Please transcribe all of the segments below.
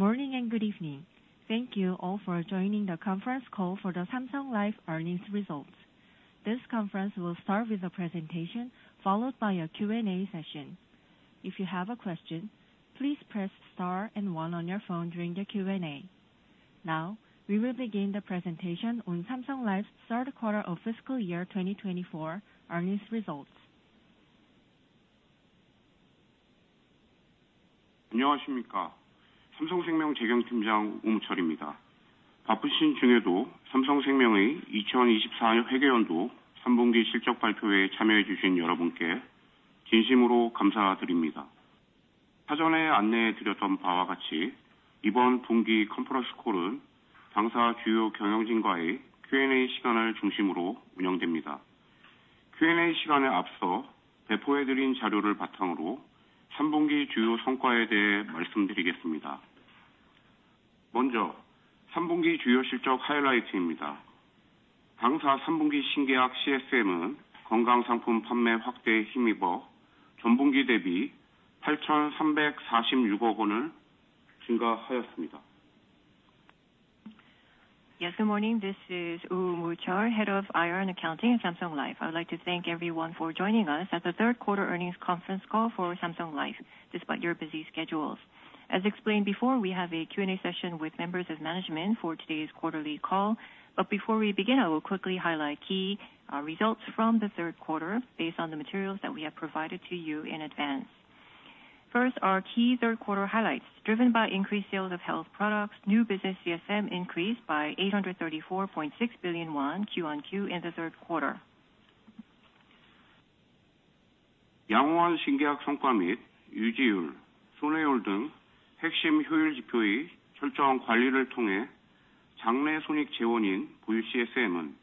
Good morning and good evening. Thank you all for joining the conference call for the Samsung Life earnings results. This conference will start with a presentation, followed by a Q&A session. If you have a question, please press star and one on your phone during the Q&A. Now, we will begin the presentation on Samsung Life's third quarter of fiscal year 2024 earnings results. 안녕하십니까. 삼성생명 재경팀장 오무철입니다. 바쁘신 중에도 삼성생명의 2024년 회계연도 3분기 실적 발표회에 참여해 주신 여러분께 진심으로 감사드립니다. 사전에 안내해 드렸던 바와 같이 이번 분기 컨퍼런스 콜은 당사 주요 경영진과의 Q&A 시간을 중심으로 운영됩니다. Q&A 시간에 앞서 배포해 드린 자료를 바탕으로 3분기 주요 성과에 대해 말씀드리겠습니다. 먼저, 3분기 주요 실적 하이라이트입니다. 당사 3분기 신계약 CSM은 건강상품 판매 확대에 힘입어 전분기 대비 ₩8,346억 원을 증가하였습니다. Yes, good morning. This is Oh Mu-cheol, Head of IR and Accounting at Samsung Life. I would like to thank everyone for joining us at the third quarter earnings conference call for Samsung Life, despite your busy schedules. As explained before, we have a Q&A session with members of management for today's quarterly call. But before we begin, I will quickly highlight key results from the third quarter based on the materials that we have provided to you in advance. First, our key third quarter highlights: driven by increased sales of health products, new business CSM increased by ₩834.6 billion Q on Q in the third quarter. 양호한 신계약 성과 및 유지율, 손해율 등 핵심 효율 지표의 철저한 관리를 통해 장래 손익 재원인 보유 CSM은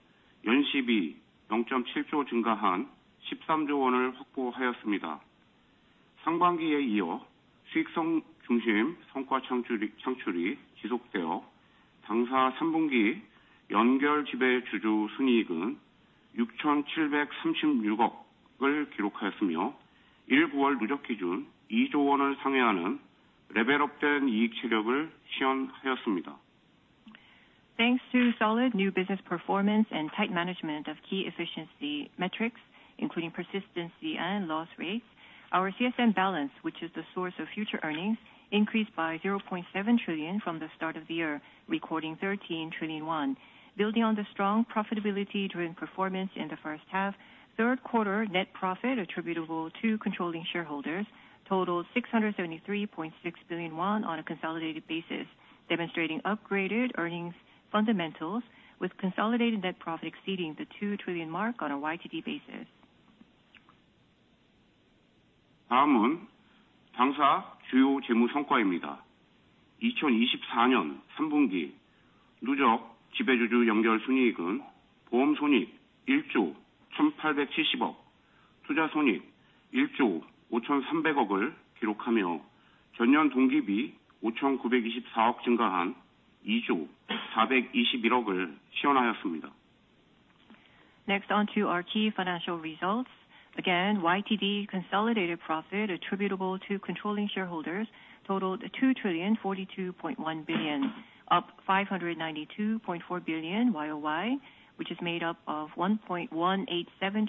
연 1조 2,070억 증가한 13조 원을 확보하였습니다. 상반기에 이어 수익성 중심 성과 창출이 지속되어 당사 3분기 연결 지배주주 순이익은 6,736억 원을 기록하였으며, 1-9월 누적 기준 2조 원을 상회하는 레벨업된 이익 체력을 시현하였습니다. Thanks to solid new business performance and tight management of key efficiency metrics, including persistency and loss rates, our CSM balance, which is the source of future earnings, increased by ₩0.7 trillion from the start of the year, recording ₩13 trillion. Building on the strong profitability-driven performance in the first half, third quarter net profit attributable to controlling shareholders totaled ₩673.6 billion on a consolidated basis, demonstrating upgraded earnings fundamentals with consolidated net profit exceeding the ₩2 trillion mark on a YTD basis. 다음은 당사 주요 재무 성과입니다. 2024년 3분기 누적 지배주주 연결 순이익은 보험 손익 ₩1조 1,870억, 투자 손익 ₩1조 5,300억을 기록하며 전년 동기 대비 ₩5,924억 증가한 ₩2조 421억을 시현하였습니다. Next, onto our key financial results. Again, YTD consolidated profit attributable to controlling shareholders totaled $2.042 trillion, up $592.4 billion YOY, which is made up of $1.187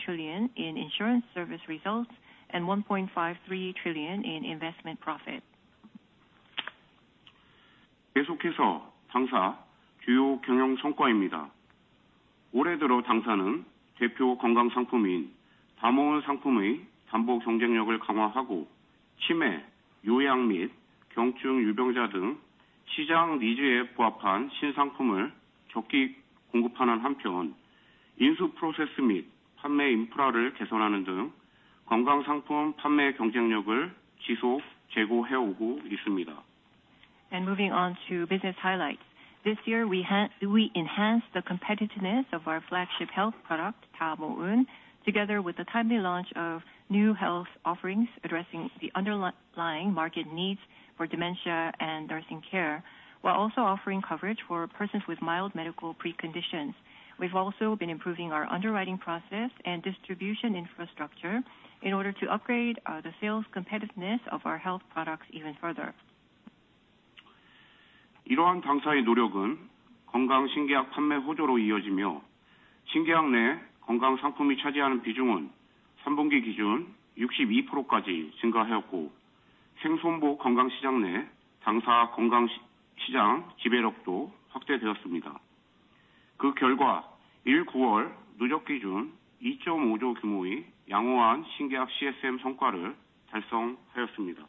trillion in insurance service results and $1.53 trillion in investment profit. 계속해서 당사 주요 경영 성과입니다. 올해 들어 당사는 대표 건강상품인 다모어 상품의 담보 경쟁력을 강화하고 치매, 요양 및 경증 유병자 등 시장 니즈에 부합한 신상품을 적기 공급하는 한편, 인수 프로세스 및 판매 인프라를 개선하는 등 건강상품 판매 경쟁력을 지속 제고해 오고 있습니다. Moving on to business highlights. This year, we enhanced the competitiveness of our flagship health product, Da Mo Eun, together with the timely launch of new health offerings addressing the underlying market needs for dementia and nursing care, while also offering coverage for persons with mild medical preconditions. We've also been improving our underwriting process and distribution infrastructure in order to upgrade the sales competitiveness of our health products even further. 이러한 당사의 노력은 건강 신계약 판매 호조로 이어지며, 신계약 내 건강상품이 차지하는 비중은 3분기 기준 62%까지 증가하였고, 생손보 건강시장 내 당사 건강시장 지배력도 확대되었습니다. 그 결과 1-9월 누적 기준 ₩2.5조 규모의 양호한 신계약 CSM 성과를 달성하였습니다.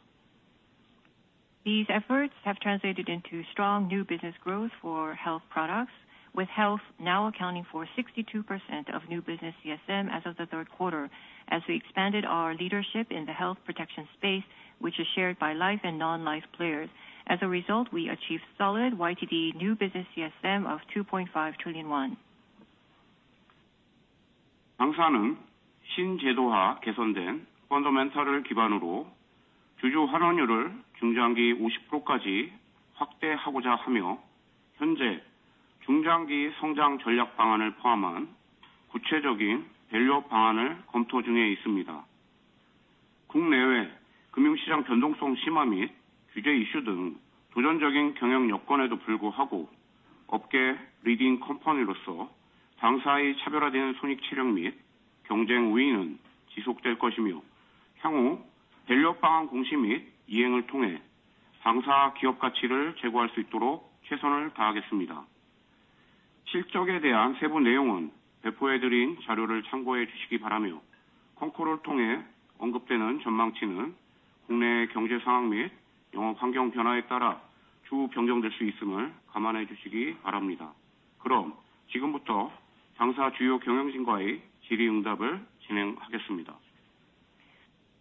These efforts have translated into strong new business growth for health products, with health now accounting for 62% of new business CSM as of the third quarter, as we expanded our leadership in the health protection space, which is shared by life and non-life players. As a result, we achieved solid YTD new business CSM of ₩2.5 trillion. 당사는 신제도화 개선된 펀더멘털을 기반으로 주주 환원율을 중장기 50%까지 확대하고자 하며, 현재 중장기 성장 전략 방안을 포함한 구체적인 밸류업 방안을 검토 중에 있습니다. 국내외 금융시장 변동성 심화 및 규제 이슈 등 도전적인 경영 여건에도 불구하고, 업계 리딩 컴퍼니로서 당사의 차별화된 손익 체력 및 경쟁 우위는 지속될 것이며, 향후 밸류업 방안 공시 및 이행을 통해 당사 기업 가치를 제고할 수 있도록 최선을 다하겠습니다. 실적에 대한 세부 내용은 배포해 드린 자료를 참고해 주시기 바라며, 컨콜을 통해 언급되는 전망치는 국내외 경제 상황 및 영업 환경 변화에 따라 변경될 수 있음을 감안해 주시기 바랍니다. 그럼 지금부터 당사 주요 경영진과의 질의응답을 진행하겠습니다.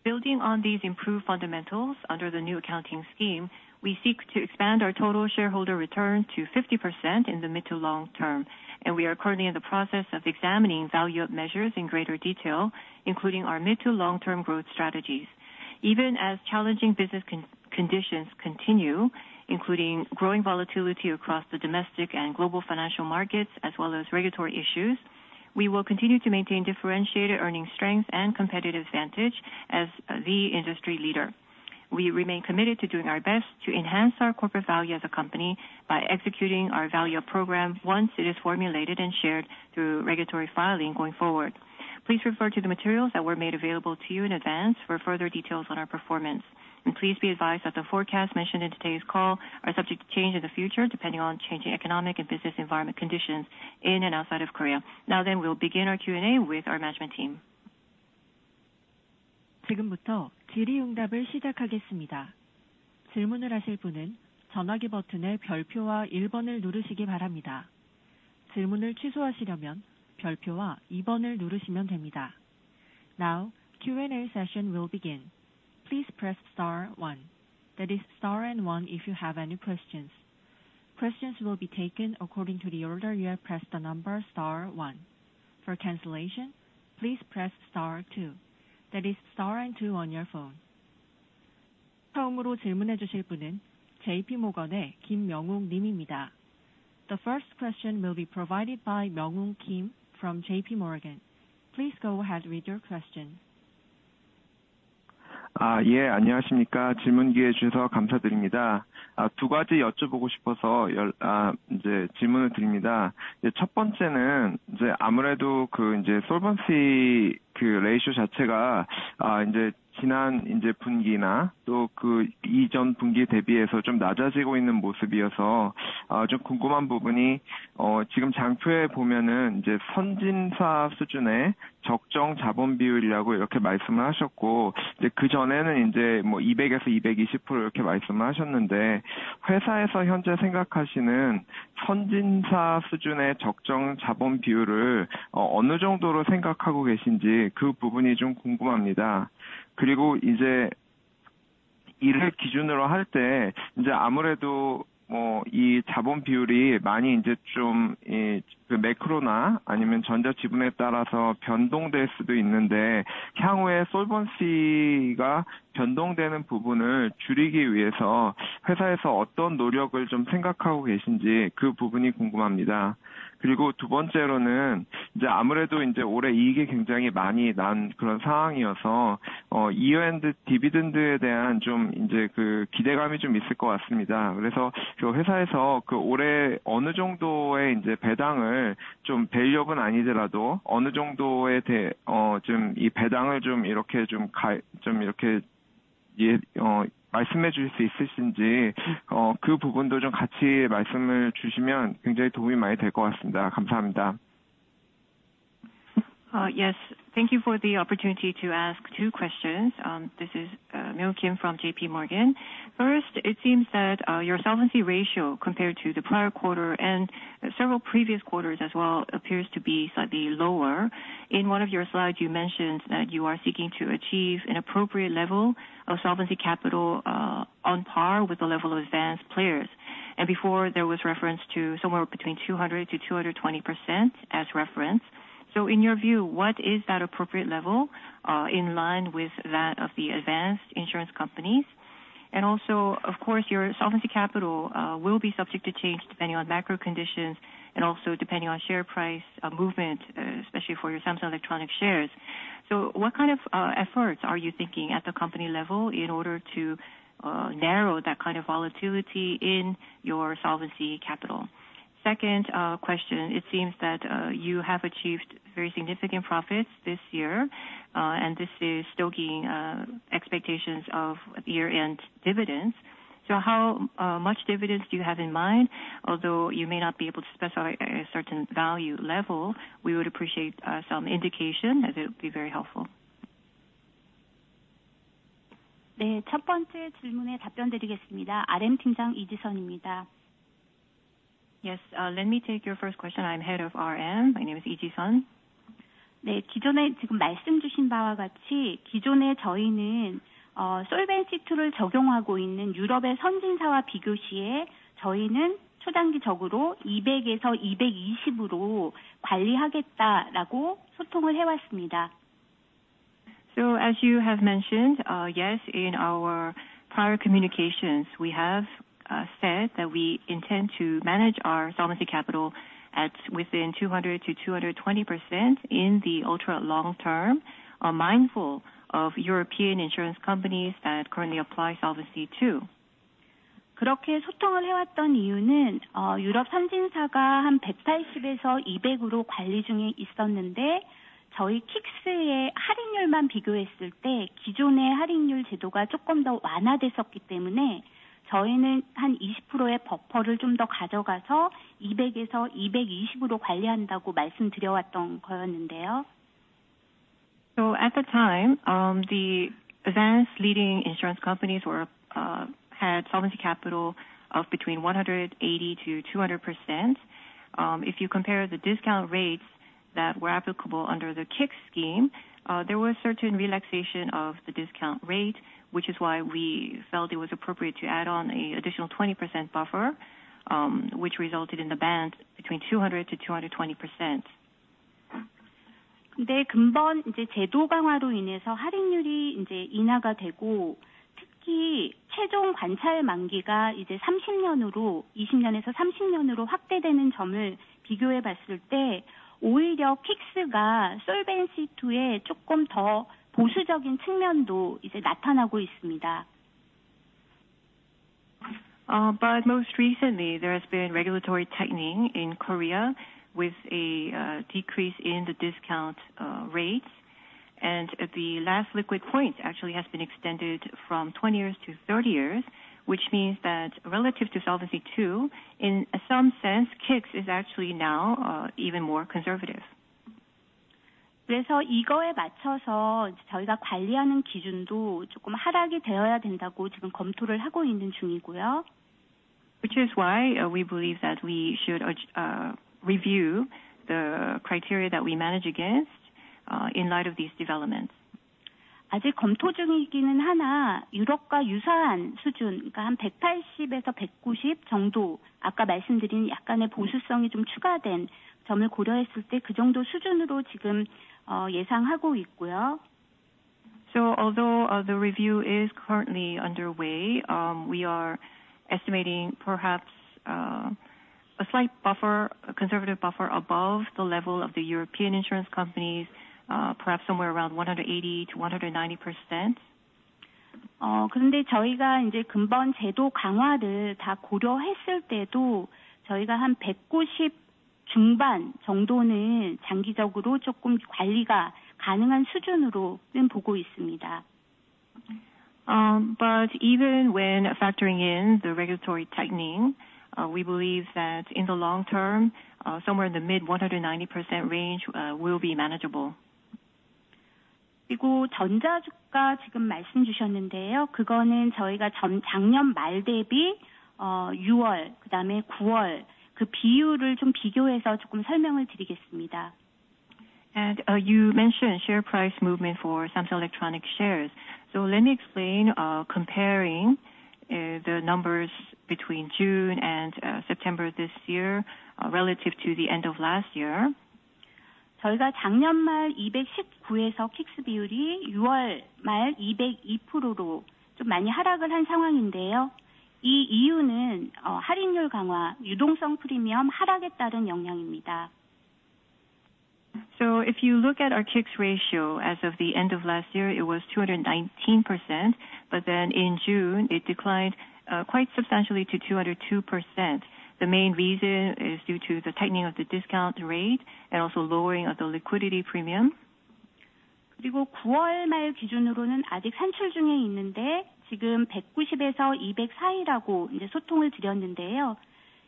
Building on these improved fundamentals under the new accounting scheme, we seek to expand our total shareholder return to 50% in the mid to long term, and we are currently in the process of examining value-up measures in greater detail, including our mid to long-term growth strategies. Even as challenging business conditions continue, including growing volatility across the domestic and global financial markets as well as regulatory issues, we will continue to maintain differentiated earnings strength and competitive advantage as the industry leader. We remain committed to doing our best to enhance our corporate value as a company by executing our value-up program once it is formulated and shared through regulatory filing going forward. Please refer to the materials that were made available to you in advance for further details on our performance. Please be advised that the forecasts mentioned in today's call are subject to change in the future depending on changing economic and business environment conditions in and outside of Korea. We'll begin our Q&A with our management team. 지금부터 질의응답을 시작하겠습니다. 질문을 하실 분은 전화기 버튼의 별표와 1번을 누르시기 바랍니다. 질문을 취소하시려면 별표와 2번을 누르시면 됩니다. Now, Q&A session will begin. Please press star one. That is star and one if you have any questions. Questions will be taken according to the order you have pressed the number star one. For cancellation, please press star two. That is star and two on your phone. 처음으로 질문해 주실 분은 JP Morgan의 김명웅 님입니다. The first question will be provided by Myeong Woong Kim from JP Morgan. Please go ahead with your question. 예, 안녕하십니까. 질문 기회 주셔서 감사드립니다. 두 가지 여쭤보고 싶어서 질문을 드립니다. 첫 번째는 아무래도 솔벤시 레이쇼 자체가 지난 분기나 또 이전 분기에 대비해서 좀 낮아지고 있는 모습이어서 좀 궁금한 부분이 지금 장표에 보면 선진사 수준의 적정 자본 비율이라고 이렇게 말씀을 하셨고 그전에는 200%에서 220% 이렇게 말씀을 하셨는데 회사에서 현재 생각하시는 선진사 수준의 적정 자본 비율을 어느 정도로 생각하고 계신지 그 부분이 좀 궁금합니다. 그리고 이를 기준으로 할때 아무래도 이 자본 비율이 많이 매크로나 아니면 전자 지분에 따라서 변동될 수도 있는데 향후에 솔벤시가 변동되는 부분을 줄이기 위해서 회사에서 어떤 노력을 좀 생각하고 계신지 그 부분이 궁금합니다. 그리고 두 번째로는 아무래도 올해 이익이 굉장히 많이 난 그런 상황이어서 이외에 디비던드에 대한 기대감이 좀 있을 것 같습니다. 그래서 회사에서 올해 어느 정도의 배당을 밸류업은 아니더라도 어느 정도의 배당을 이렇게 좀 말씀해 주실 수 있으신지 그 부분도 좀 같이 말씀을 주시면 굉장히 도움이 많이 될것 같습니다. 감사합니다. Yes, thank you for the opportunity to ask two questions. This is Myeong Kim from JP Morgan. First, it seems that your solvency ratio compared to the prior quarter and several previous quarters as well appears to be slightly lower. In one of your slides, you mentioned that you are seeking to achieve an appropriate level of solvency capital on par with the level of advanced players. And before, there was reference to somewhere between 200% to 220% as reference. So in your view, what is that appropriate level in line with that of the advanced insurance companies? And also, of course, your solvency capital will be subject to change depending on macro conditions and also depending on share price movement, especially for your Samsung Electronics shares. So what kind of efforts are you thinking at the company level in order to narrow that kind of volatility in your solvency capital? Second question, it seems that you have achieved very significant profits this year, and this is stoking expectations of year-end dividends. So how much dividends do you have in mind? Although you may not be able to specify a certain value level, we would appreciate some indication, as it would be very helpful. 네, 첫 번째 질문에 답변드리겠습니다. RM 팀장 이지선입니다. Yes, let me take your first question. I'm head of RM. My name is Lee Ji-seon. 네, 기존에 지금 말씀 주신 바와 같이 기존에 저희는 솔벤시 투를 적용하고 있는 유럽의 선진사와 비교 시에 저희는 초단기적으로 200%에서 220%로 관리하겠다라고 소통을 해왔습니다. So as you have mentioned, yes, in our prior communications, we have said that we intend to manage our solvency capital within 200% to 220% in the ultra long term, mindful of European insurance companies that currently apply Solvency II. 그렇게 소통을 해왔던 이유는 유럽 선진사가 한 180%에서 200%로 관리 중에 있었는데 저희 K-ICS의 할인율만 비교했을 때 기존의 할인율 제도가 조금 더 완화됐었기 때문에 저희는 한 20%의 버퍼를 좀더 가져가서 200%에서 220%로 관리한다고 말씀드려왔던 거였는데요. So at the time, the advanced leading insurance companies had solvency capital of between 180% to 200%. If you compare the discount rates that were applicable under the K-ICS scheme, there was certain relaxation of the discount rate, which is why we felt it was appropriate to add on an additional 20% buffer, which resulted in the band between 200% to 220%. 네, 금번 제도 강화로 인해서 할인율이 인하가 되고 특히 최종 관찰 만기가 30년으로 20년에서 30년으로 확대되는 점을 비교해 봤을 때 오히려 K-ICS가 솔벤시 투에 조금 더 보수적인 측면도 나타나고 있습니다. But most recently, there has been regulatory tightening in Korea with a decrease in the discount rates, and the last liquid point actually has been extended from 20 years to 30 years, which means that relative to Solvency II, in some sense, K-ICS is actually now even more conservative. 그래서 이거에 맞춰서 저희가 관리하는 기준도 조금 하락이 되어야 된다고 지금 검토를 하고 있는 중이고요. Which is why we believe that we should review the criteria that we manage against in light of these developments. 아직 검토 중이기는 하나 유럽과 유사한 수준, 그러니까 한 180%에서 190% 정도 아까 말씀드린 약간의 보수성이 좀 추가된 점을 고려했을 때그 정도 수준으로 지금 예상하고 있고요. So although the review is currently underway, we are estimating perhaps a slight buffer, a conservative buffer above the level of the European insurance companies, perhaps somewhere around 180% to 190%. 그런데 저희가 이제 금번 제도 강화를 다 고려했을 때도 저희가 한 190% 중반 정도는 장기적으로 조금 관리가 가능한 수준으로는 보고 있습니다. But even when factoring in the regulatory tightening, we believe that in the long term, somewhere in the mid-190% range will be manageable. 그리고 전자 주가 지금 말씀 주셨는데요, 그거는 저희가 작년 말 대비 6월, 그다음에 9월 그 비율을 좀 비교해서 조금 설명을 드리겠습니다. And you mentioned share price movement for Samsung Electronics shares. So let me explain comparing the numbers between June and September this year relative to the end of last year. 저희가 작년 말 219%에서 K-ICS 비율이 6월 말 202%로 좀 많이 하락을 한 상황인데요, 이 이유는 할인율 강화, 유동성 프리미엄 하락에 따른 영향입니다. So if you look at our K-ICS ratio as of the end of last year, it was 219%, but then in June it declined quite substantially to 202%. The main reason is due to the tightening of the discount rate and also lowering of the liquidity premium. 그리고 9월 말 기준으로는 아직 산출 중에 있는데 지금 190%에서 200% 사이라고 소통을 드렸는데요,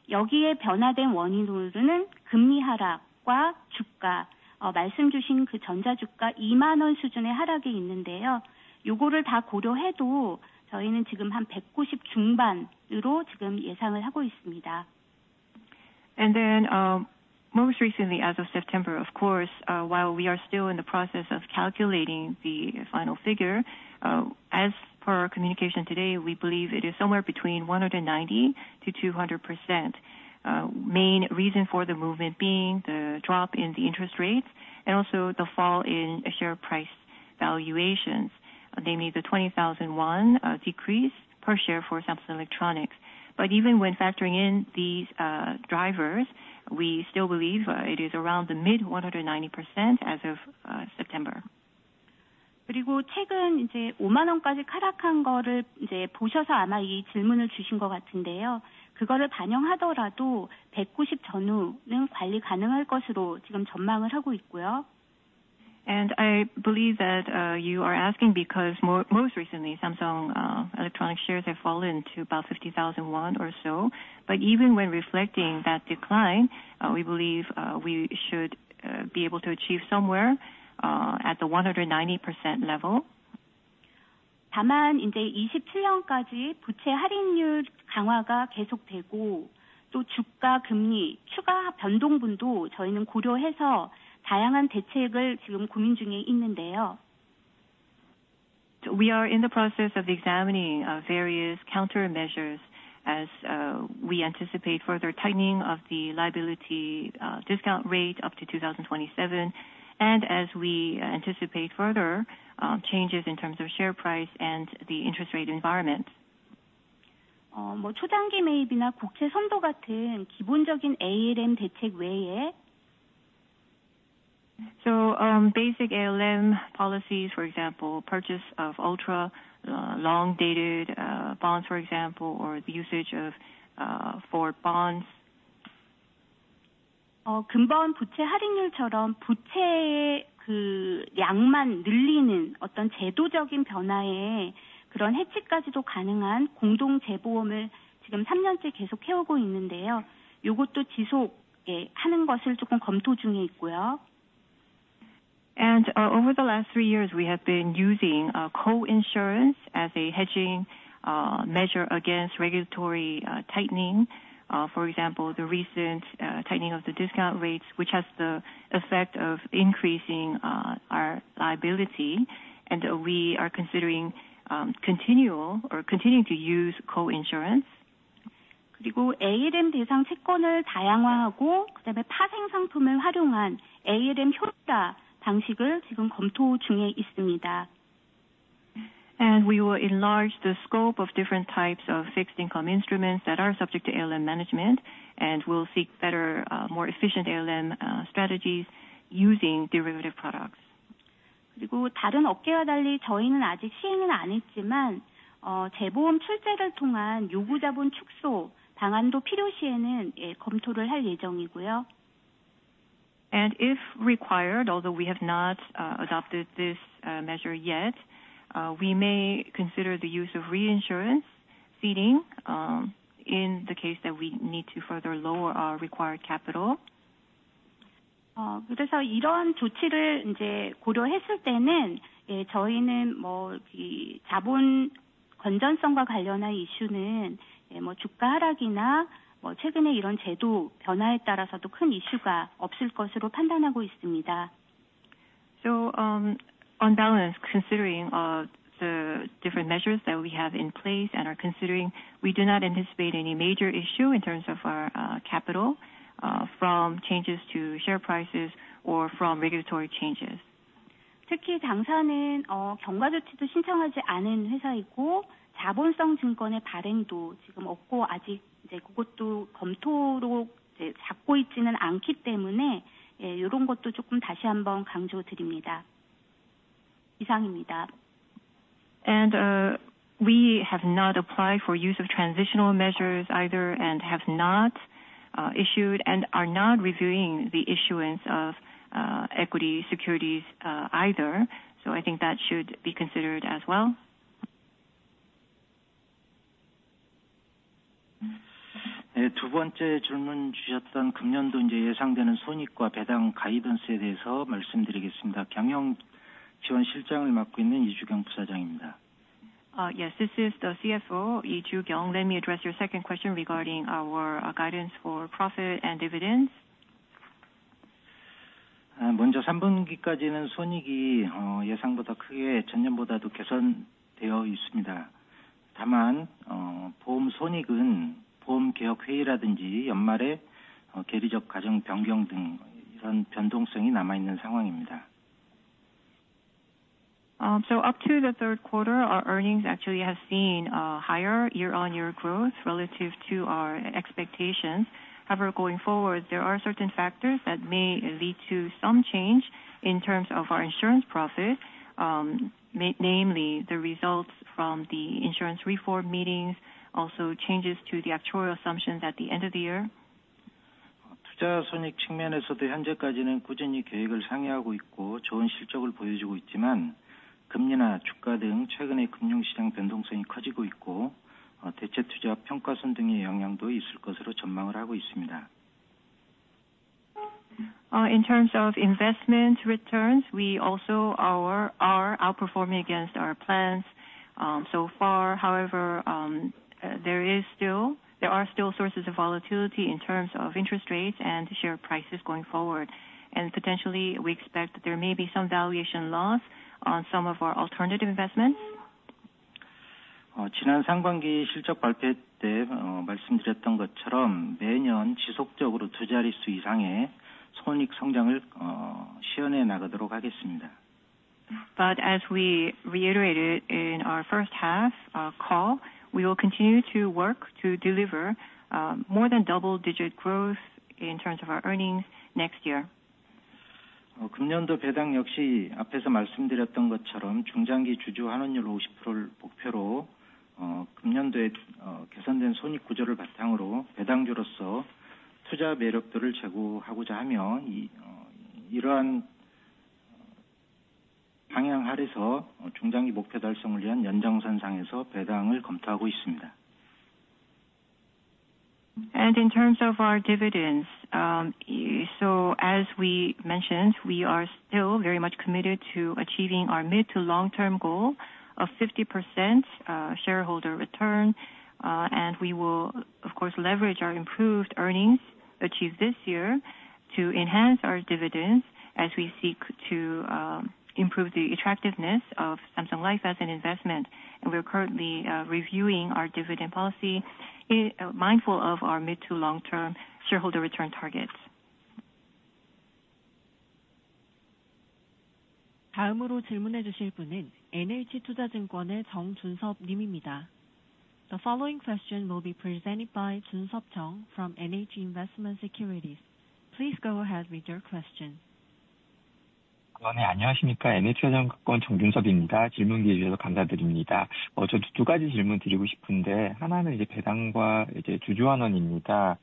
여기에 변화된 원인으로는 금리 하락과 주가, 말씀 주신 그 전자 주가 ₩20,000 수준의 하락이 있는데요, 이거를 다 고려해도 저희는 지금 한 190% 중반으로 지금 예상을 하고 있습니다. And then most recently, as of September, of course, while we are still in the process of calculating the final figure, as per our communication today, we believe it is somewhere between 190% to 200%. Main reason for the movement being the drop in the interest rates and also the fall in share price valuations, namely the ₩20,000 decrease per share for Samsung Electronics. But even when factoring in these drivers, we still believe it is around the mid-190% as of September. 그리고 최근 ₩50,000까지 하락한 거를 보셔서 아마 이 질문을 주신 것 같은데요, 그거를 반영하더라도 190% 전후는 관리 가능할 것으로 지금 전망을 하고 있고요. And I believe that you are asking because most recently Samsung Electronics shares have fallen to about ₩50,000 or so, but even when reflecting that decline, we believe we should be able to achieve somewhere at the 190% level. 다만 이제 2027년까지 부채 할인율 강화가 계속되고 또 주가, 금리 추가 변동분도 저희는 고려해서 다양한 대책을 지금 고민 중에 있는데요. We are in the process of examining various countermeasures as we anticipate further tightening of the liability discount rate up to 2027 and as we anticipate further changes in terms of share price and the interest rate environment. 초장기 매입이나 국채 선도 같은 기본적인 ALM 대책 외에. So basic ALM policies, for example, purchase of ultra long-dated bonds, for example, or the usage of treasury bond forwards. 금번 부채 할인율처럼 부채의 양만 늘리는 어떤 제도적인 변화에 그런 헤지까지도 가능한 공동 재보험을 지금 3년째 계속 해오고 있는데요, 이것도 지속하는 것을 조금 검토 중에 있고요. And over the last three years, we have been using coinsurance as a hedging measure against regulatory tightening, for example, the recent tightening of the discount rates, which has the effect of increasing our liability, and we are considering continual or continuing to use coinsurance. 그리고 ALM 대상 채권을 다양화하고 그다음에 파생 상품을 활용한 ALM 효과 방식을 지금 검토 중에 있습니다. And we will enlarge the scope of different types of fixed income instruments that are subject to ALM management and will seek better, more efficient ALM strategies using derivative products. 그리고 다른 업계와 달리 저희는 아직 시행은 안 했지만 재보험 출재를 통한 요구 자본 축소 방안도 필요 시에는 검토를 할 예정이고요. And if required, although we have not adopted this measure yet, we may consider the use of reinsurance ceding in the case that we need to further lower our required capital. 그래서 이러한 조치를 고려했을 때는 저희는 자본 건전성과 관련한 이슈는 주가 하락이나 최근에 이런 제도 변화에 따라서도 큰 이슈가 없을 것으로 판단하고 있습니다. So on balance, considering the different measures that we have in place and are considering, we do not anticipate any major issue in terms of our capital from changes to share prices or from regulatory changes. 특히 당사는 경과 조치도 신청하지 않은 회사이고 자본성 증권의 발행도 지금 없고 아직 그것도 검토로 잡고 있지는 않기 때문에 이런 것도 조금 다시 한번 강조드립니다. 이상입니다. And we have not applied for use of transitional measures either and have not issued and are not reviewing the issuance of equity securities either. So I think that should be considered as well. 두 번째 질문 주셨던 금년도 예상되는 손익과 배당 가이던스에 대해서 말씀드리겠습니다. 경영지원실장을 맡고 있는 이주경 부사장입니다. Yes, this is the CFO, Lee Ju-kyung. Let me address your second question regarding our guidance for profit and dividends. 먼저 3분기까지는 손익이 예상보다 크게 전년보다도 개선되어 있습니다. 다만 보험 손익은 보험 개혁 회의라든지 연말에 계리적 가정 변경 등 이런 변동성이 남아 있는 상황입니다. So up to the third quarter, our earnings actually have seen higher year-on-year growth relative to our expectations. However, going forward, there are certain factors that may lead to some change in terms of our insurance profit, namely the results from the insurance reform meetings, also changes to the actuarial assumptions at the end of the year. 투자 손익 측면에서도 현재까지는 꾸준히 계획을 상회하고 있고 좋은 실적을 보여주고 있지만 금리나 주가 등 최근의 금융 시장 변동성이 커지고 있고 대체 투자 평가손 등의 영향도 있을 것으로 전망을 하고 있습니다. In terms of investment returns, we also are outperforming against our plans so far. However, there are still sources of volatility in terms of interest rates and share prices going forward, and potentially we expect there may be some valuation loss on some of our alternative investments. 지난 상반기 실적 발표 때 말씀드렸던 것처럼 매년 지속적으로 두 자릿수 이상의 손익 성장을 시현해 나가도록 하겠습니다. But as we reiterated in our first half call, we will continue to work to deliver more than double-digit growth in terms of our earnings going forward. 금년도 배당 역시 앞에서 말씀드렸던 것처럼 중장기 주주 환원율 50%를 목표로 금년도에 개선된 손익 구조를 바탕으로 배당주로서 투자 매력도를 제고하고자 하며 이러한 방향 아래서 중장기 목표 달성을 위한 연장선상에서 배당을 검토하고 있습니다. And in terms of our dividends, so as we mentioned, we are still very much committed to achieving our mid to long-term goal of 50% shareholder return, and we will, of course, leverage our improved earnings achieved this year to enhance our dividends as we seek to improve the attractiveness of Samsung Life as an investment. And we're currently reviewing our dividend policy, mindful of our mid to long-term shareholder return targets. 다음으로 질문해 주실 분은 NH 투자증권의 정준섭 님입니다. The following question will be presented by Junseop Jeong from NH Investment Securities. Please go ahead with your question. 네, 안녕하십니까. NH 투자증권 정준섭입니다. 질문 기회 주셔서 감사드립니다. 저도 두 가지 질문 드리고 싶은데, 하나는 배당과 주주 환원입니다.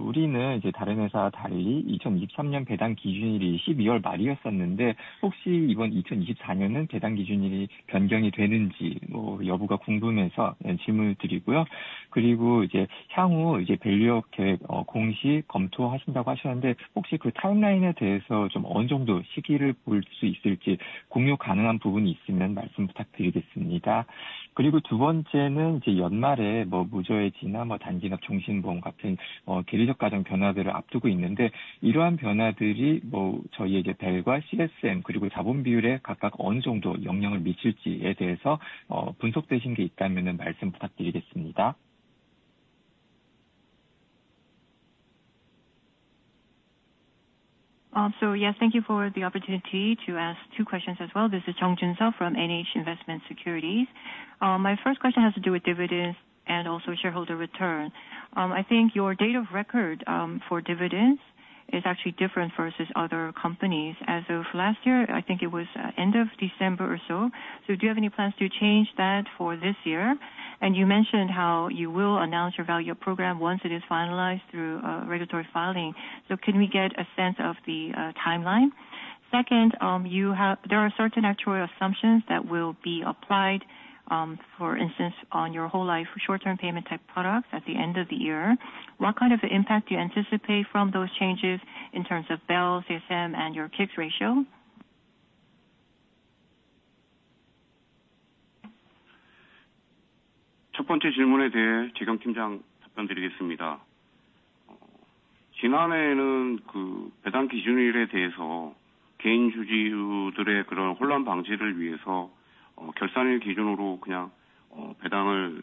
우리는 다른 회사와 달리 2023년 배당 기준일이 12월 말이었었는데, 혹시 이번 2024년은 배당 기준일이 변경이 되는지 여부가 궁금해서 질문을 드리고요. 그리고 향후 밸류업 계획 공시 검토하신다고 하셨는데, 혹시 그 타임라인에 대해서 어느 정도 시기를 볼수 있을지 공유 가능한 부분이 있으면 말씀 부탁드리겠습니다. 그리고 두 번째는 연말에 무해지나 단기납 종신보험 같은 계리적 가정 변화들을 앞두고 있는데, 이러한 변화들이 저희의 BEL과 CSM 그리고 자본 비율에 각각 어느 정도 영향을 미칠지에 대해서 분석되신 게 있다면 말씀 부탁드리겠습니다. So yes, thank you for the opportunity to ask two questions as well. This is Jeong Junseop from NH Investment Securities. My first question has to do with dividends and also shareholder return. I think your date of record for dividends is actually different versus other companies. As of last year, I think it was end of December or so. So do you have any plans to change that for this year? And you mentioned how you will announce your value-up program once it is finalized through regulatory filing. So can we get a sense of the timeline? Second, there are certain actuarial assumptions that will be applied, for instance, on your whole life short-term payment type products at the end of the year. What kind of impact do you anticipate from those changes in terms of BEL, CSM, and your K-ICS ratio? 첫 번째 질문에 대해 재경 팀장 답변 드리겠습니다. 지난해에는 배당 기준일에 대해서 개인 주주들의 혼란 방지를 위해서 결산일 기준으로 그냥 배당을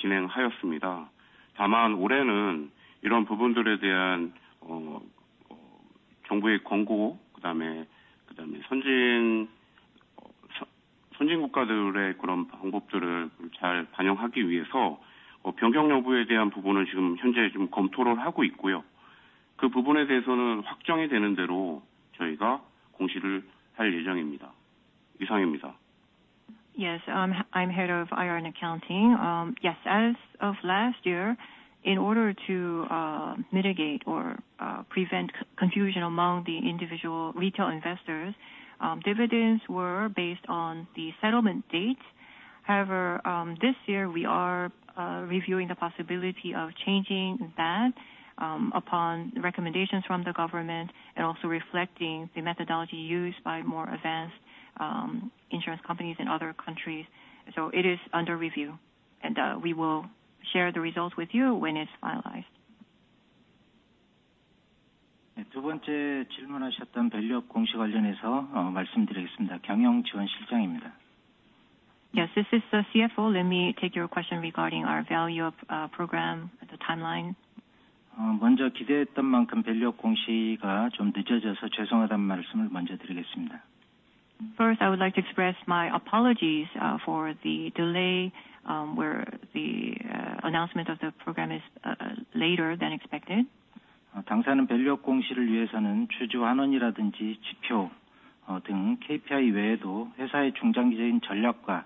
진행하였습니다. 다만 올해는 이런 부분들에 대한 정부의 권고 그다음에 선진 국가들의 그런 방법들을 잘 반영하기 위해서 변경 여부에 대한 부분을 지금 현재 검토를 하고 있고요. 그 부분에 대해서는 확정이 되는 대로 저희가 공시를 할 예정입니다. 이상입니다. Yes, I'm head of IR and Accounting. Yes, as of last year, in order to mitigate or prevent confusion among the individual retail investors, dividends were based on the settlement date. However, this year we are reviewing the possibility of changing that upon recommendations from the government and also reflecting the methodology used by more advanced insurance companies in other countries. So it is under review, and we will share the results with you when it's finalized. 두 번째 질문하셨던 밸류업 공시 관련해서 말씀드리겠습니다. 경영지원실장입니다. Yes, this is the CFO. Let me take your question regarding our value-up program timeline. 먼저 기대했던 만큼 밸류업 공시가 좀 늦어져서 죄송하다는 말씀을 먼저 드리겠습니다. First, I would like to express my apologies for the delay where the announcement of the program is later than expected. 당사는 밸류업 공시를 위해서는 주주 환원이라든지 지표 등 KPI 외에도 회사의 중장기적인 전략과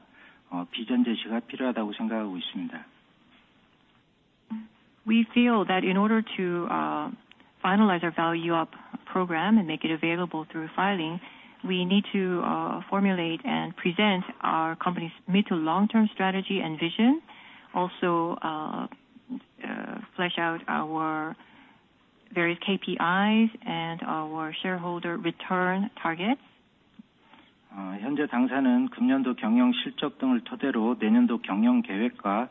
비전 제시가 필요하다고 생각하고 있습니다. We feel that in order to finalize our value-up program and make it available through filing, we need to formulate and present our company's mid to long-term strategy and vision. Also, flesh out our various KPIs and our shareholder return targets. 현재 당사는 금년도 경영 실적 등을 토대로 내년도 경영 계획과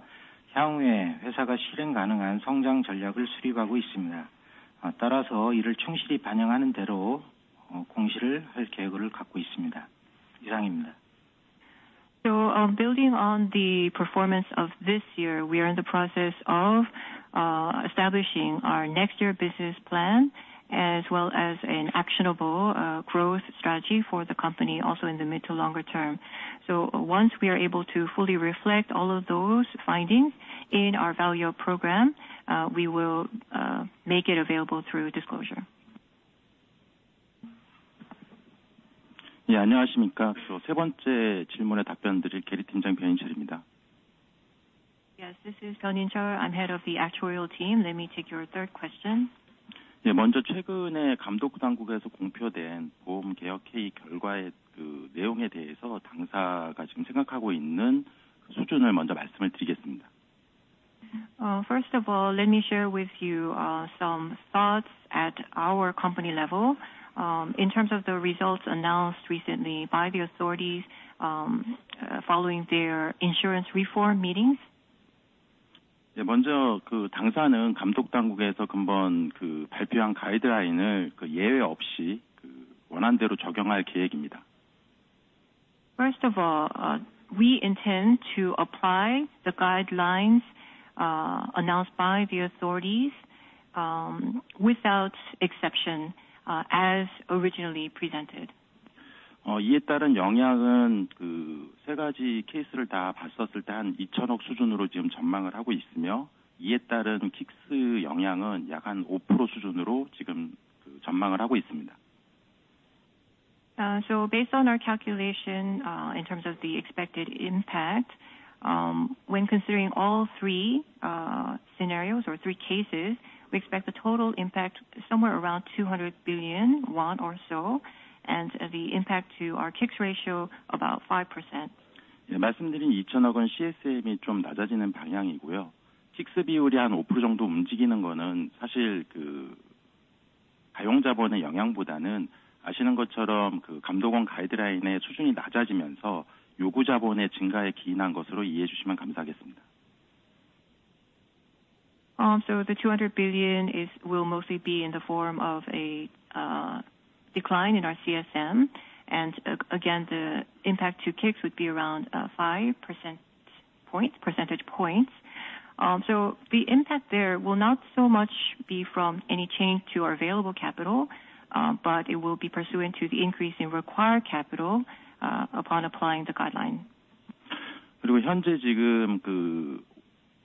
향후에 회사가 실행 가능한 성장 전략을 수립하고 있습니다. 따라서 이를 충실히 반영하는 대로 공시를 할 계획을 갖고 있습니다. 이상입니다. So building on the performance of this year, we are in the process of establishing our next year business plan as well as an actionable growth strategy for the company also in the mid to longer term. So once we are able to fully reflect all of those findings in our value-up program, we will make it available through disclosure. 예, 안녕하십니까. 세 번째 질문에 답변 드릴 계리 팀장 변인철입니다. Yes, this is 변인철. I'm head of the actuarial team. Let me take your third question. 먼저 최근에 감독 당국에서 공표된 보험 개혁 회의 결과의 내용에 대해서 당사가 지금 생각하고 있는 수준을 먼저 말씀을 드리겠습니다. First of all, let me share with you some thoughts at our company level in terms of the results announced recently by the authorities following their insurance reform meetings. 먼저 당사는 감독 당국에서 한번 발표한 가이드라인을 예외 없이 원안대로 적용할 계획입니다. First of all, we intend to apply the guidelines announced by the authorities without exception as originally presented. 이에 따른 영향은 세 가지 케이스를 다 봤었을 때한 ₩200 billion 수준으로 지금 전망을 하고 있으며, 이에 따른 K-ICS 영향은 약한 5% 수준으로 지금 전망을 하고 있습니다. So based on our calculation in terms of the expected impact, when considering all three scenarios or three cases, we expect the total impact somewhere around ₩200 billion or so, and the impact to our K-ICS ratio about 5%. 말씀드린 ₩200 billion은 CSM이 좀 낮아지는 방향이고요. K-ICS 비율이 한 5% 정도 움직이는 거는 사실 가용 자본의 영향보다는 아시는 것처럼 감독원 가이드라인의 수준이 낮아지면서 요구 자본의 증가에 기인한 것으로 이해해 주시면 감사하겠습니다. So the ₩200 billion will mostly be in the form of a decline in our CSM, and again the impact to K-ICS would be around 5 percentage points. So the impact there will not so much be from any change to our available capital, but it will be pursuant to the increase in required capital upon applying the guideline. 그리고 현재 지금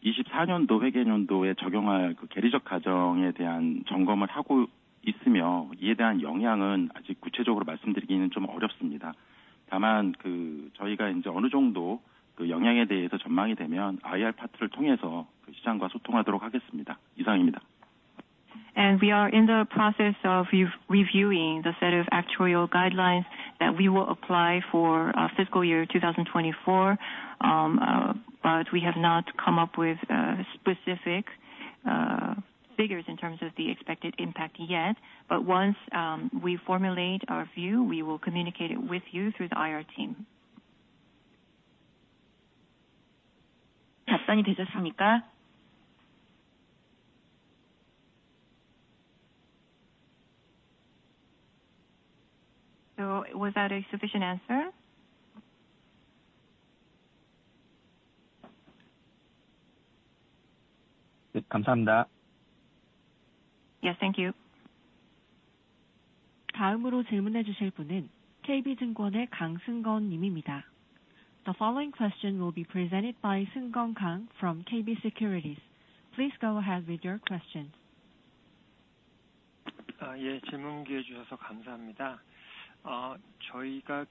2024년도 회계연도에 적용할 계리적 가정에 대한 점검을 하고 있으며, 이에 대한 영향은 아직 구체적으로 말씀드리기는 좀 어렵습니다. 다만 저희가 어느 정도 영향에 대해서 전망이 되면 IR 파트를 통해서 시장과 소통하도록 하겠습니다. 이상입니다. And we are in the process of reviewing the set of actuarial guidelines that we will apply for fiscal year 2024, but we have not come up with specific figures in terms of the expected impact yet. But once we formulate our view, we will communicate it with you through the IR team. 답변이 되셨습니까? So was that a sufficient answer? 네, 감사합니다. Yes, thank you. 다음으로 질문해 주실 분은 KB증권의 강승건 님입니다. The following question will be presented by Seunggeon Kang from KB Securities. Please go ahead with your question. 예, 질문 기회 주셔서 감사합니다. 저희가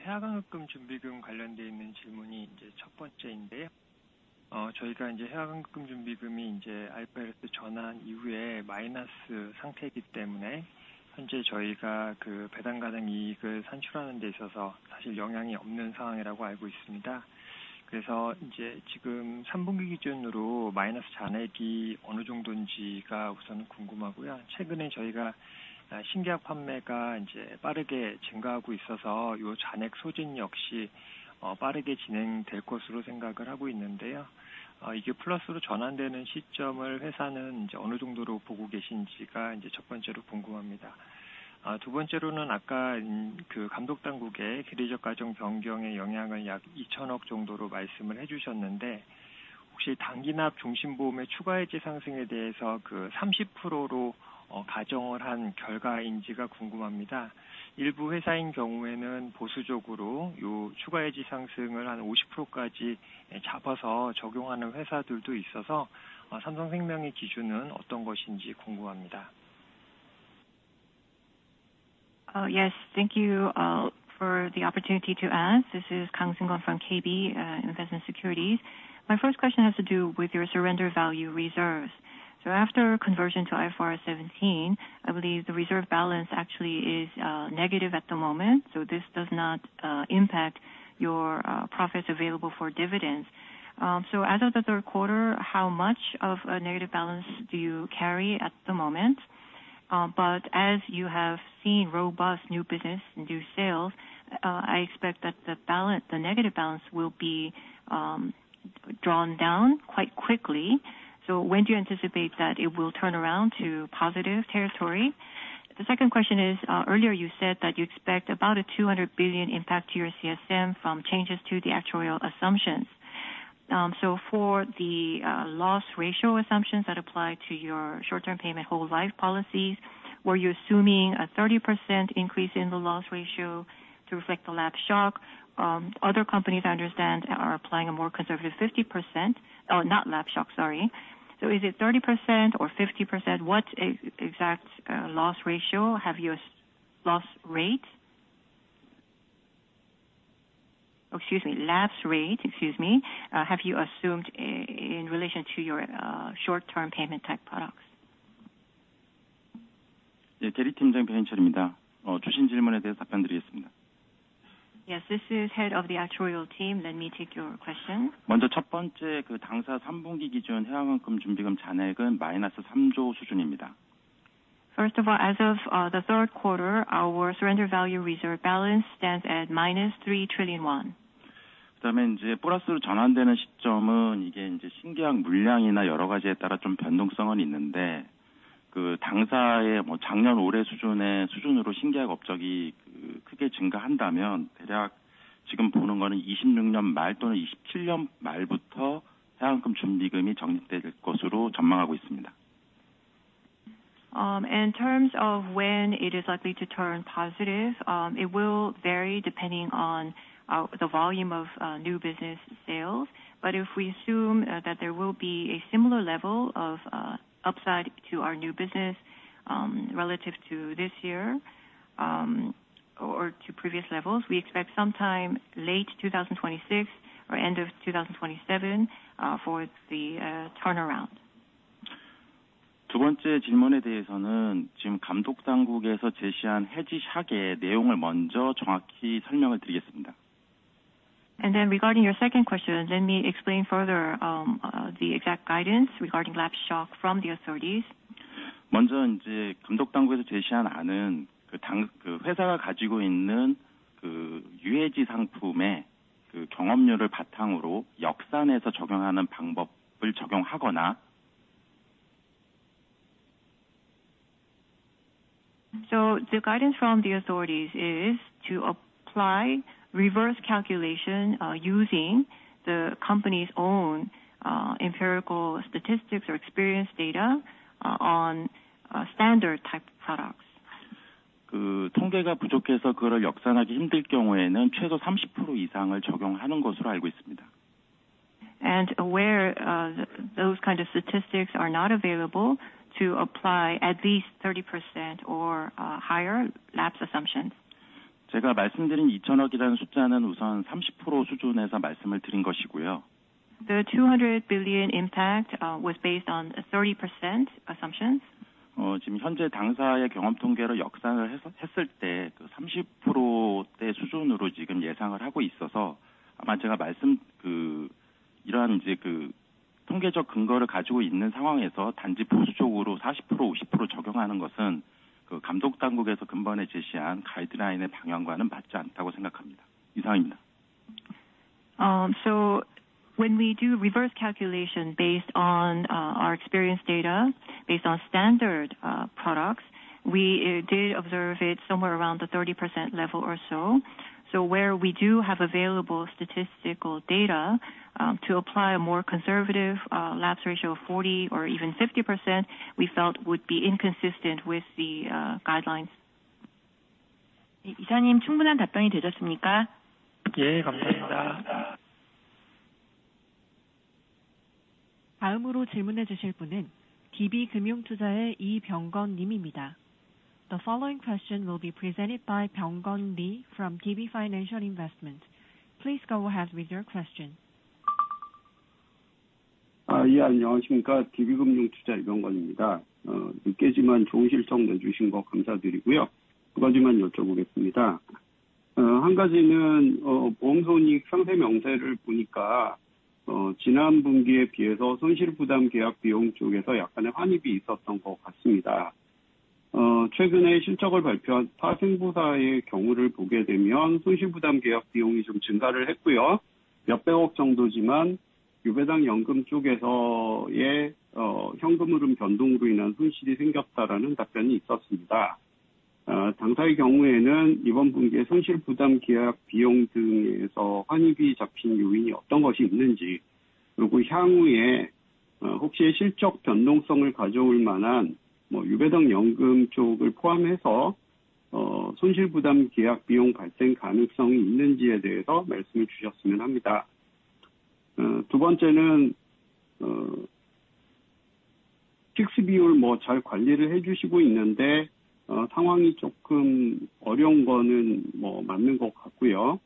해약금 준비금 관련돼 있는 질문이 첫 번째인데요. 저희가 해약금 준비금이 IFRS 전환 이후에 마이너스 상태이기 때문에 현재 저희가 배당 가능 이익을 산출하는 데 있어서 사실 영향이 없는 상황이라고 알고 있습니다. 그래서 지금 3분기 기준으로 마이너스 잔액이 어느 정도인지가 우선은 궁금하고요. 최근에 저희가 신계약 판매가 빠르게 증가하고 있어서 이 잔액 소진 역시 빠르게 진행될 것으로 생각을 하고 있는데요. 이게 플러스로 전환되는 시점을 회사는 어느 정도로 보고 계신지가 첫 번째로 궁금합니다. 두 번째로는 아까 감독 당국의 계리적 가정 변경의 영향을 약 ₩200 billion 정도로 말씀을 해 주셨는데, 혹시 단기납 종신보험의 추가 해지 상승에 대해서 30%로 가정을 한 결과인지가 궁금합니다. 일부 회사인 경우에는 보수적으로 이 추가 해지 상승을 한 50%까지 잡아서 적용하는 회사들도 있어서 삼성생명의 기준은 어떤 것인지 궁금합니다. Yes, thank you for the opportunity to ask. This is Kang Seunggeon from KB Investment Securities. My first question has to do with your surrender value reserves. So after conversion to IFRS 17, I believe the reserve balance actually is negative at the moment. So this does not impact your profits available for dividends. So as of the third quarter, how much of a negative balance do you carry at the moment? But as you have seen robust new business and new sales, I expect that the negative balance will be drawn down quite quickly. So when do you anticipate that it will turn around to positive territory? The second question is, earlier you said that you expect about a ₩200 billion impact to your CSM from changes to the actuarial assumptions. So for the lapse ratio assumptions that apply to your short-term payment whole life policies, were you assuming a 30% increase in the lapse ratio to reflect the lapse shock? Other companies, I understand, are applying a more conservative 50% lapse shock. So is it 30% or 50%? What exact lapse rate have you assumed in relation to your short-term payment type products? 계리 팀장 변인철입니다. 주신 질문에 대해서 답변 드리겠습니다. Yes, this is head of the actuarial team. Let me take your question. 먼저 첫 번째, 당사 3분기 기준 해약금 준비금 잔액은 마이너스 ₩3 trillion 수준입니다. First of all, as of the third quarter, our surrender value reserve balance stands at minus ₩3 trillion. 그다음에 이제 플러스로 전환되는 시점은 이게 신계약 물량이나 여러 가지에 따라 좀 변동성은 있는데, 당사의 작년 올해 수준으로 신계약 업적이 크게 증가한다면 대략 지금 보는 거는 2026년 말 또는 2027년 말부터 해약금 준비금이 적립될 것으로 전망하고 있습니다. In terms of when it is likely to turn positive, it will vary depending on the volume of new business sales. But if we assume that there will be a similar level of upside to our new business relative to this year or to previous levels, we expect sometime late 2026 or end of 2027 for the turnaround. 두 번째 질문에 대해서는 지금 감독 당국에서 제시한 해지 쇼크의 내용을 먼저 정확히 설명을 드리겠습니다. And then regarding your second question, let me explain further the exact guidance regarding lapse shock from the authorities. 먼저 이제 감독 당국에서 제시한 안은 회사가 가지고 있는 유해지 상품의 경험률을 바탕으로 역산해서 적용하는 방법을 적용하거나. So the guidance from the authorities is to apply reverse calculation using the company's own empirical statistics or experience data on standard type products. 통계가 부족해서 그걸 역산하기 힘들 경우에는 최소 30% 이상을 적용하는 것으로 알고 있습니다. And where those kinds of statistics are not available to apply at least 30% or higher lapse assumptions. 제가 말씀드린 ₩200 billion이라는 숫자는 우선 30% 수준에서 말씀을 드린 것이고요. The ₩200 billion impact was based on 30% assumptions. 지금 현재 당사의 경험 통계로 역산을 했을 때 30%대 수준으로 지금 예상을 하고 있어서 아마 제가 말씀드린 이러한 통계적 근거를 가지고 있는 상황에서 단지 보수적으로 40%, 50% 적용하는 것은 감독 당국에서 근본에 제시한 가이드라인의 방향과는 맞지 않다고 생각합니다. 이상입니다. So when we do reverse calculation based on our experience data based on standard products, we did observe it somewhere around the 30% level or so. So where we do have available statistical data to apply a more conservative lapse ratio of 40% or even 50%, we felt would be inconsistent with the guidelines. 이사님, 충분한 답변이 되셨습니까? 예, 감사합니다. Was that a sufficient answer? Yes, thank you. 다음으로 질문해 주실 분은 DB금융투자의 이병건 님입니다. The following question will be presented by Byunggeon Lee from DB Financial Investment. Please go ahead with your question. 예, 안녕하십니까. DB금융투자 이병건입니다. 늦게지만 좋은 실적 내주신 거 감사드리고요. 두 가지만 여쭤보겠습니다. 한 가지는 보험 손익 상세 명세를 보니까 지난 분기에 비해서 손실 부담 계약 비용 쪽에서 약간의 환입이 있었던 것 같습니다. 최근에 실적을 발표한 타 생보사의 경우를 보게 되면 손실 부담 계약 비용이 좀 증가를 했고요. 몇백억 정도지만 유배당 연금 쪽에서의 현금 흐름 변동으로 인한 손실이 생겼다라는 답변이 있었습니다. 당사의 경우에는 이번 분기에 손실 부담 계약 비용 등에서 환입이 잡힌 요인이 어떤 것이 있는지, 그리고 향후에 혹시 실적 변동성을 가져올 만한 유배당 연금 쪽을 포함해서 손실 부담 계약 비용 발생 가능성이 있는지에 대해서 말씀을 주셨으면 합니다. 두 번째는 K-ICS 비율 잘 관리를 해 주시고 있는데 상황이 조금 어려운 거는 맞는 것 같고요.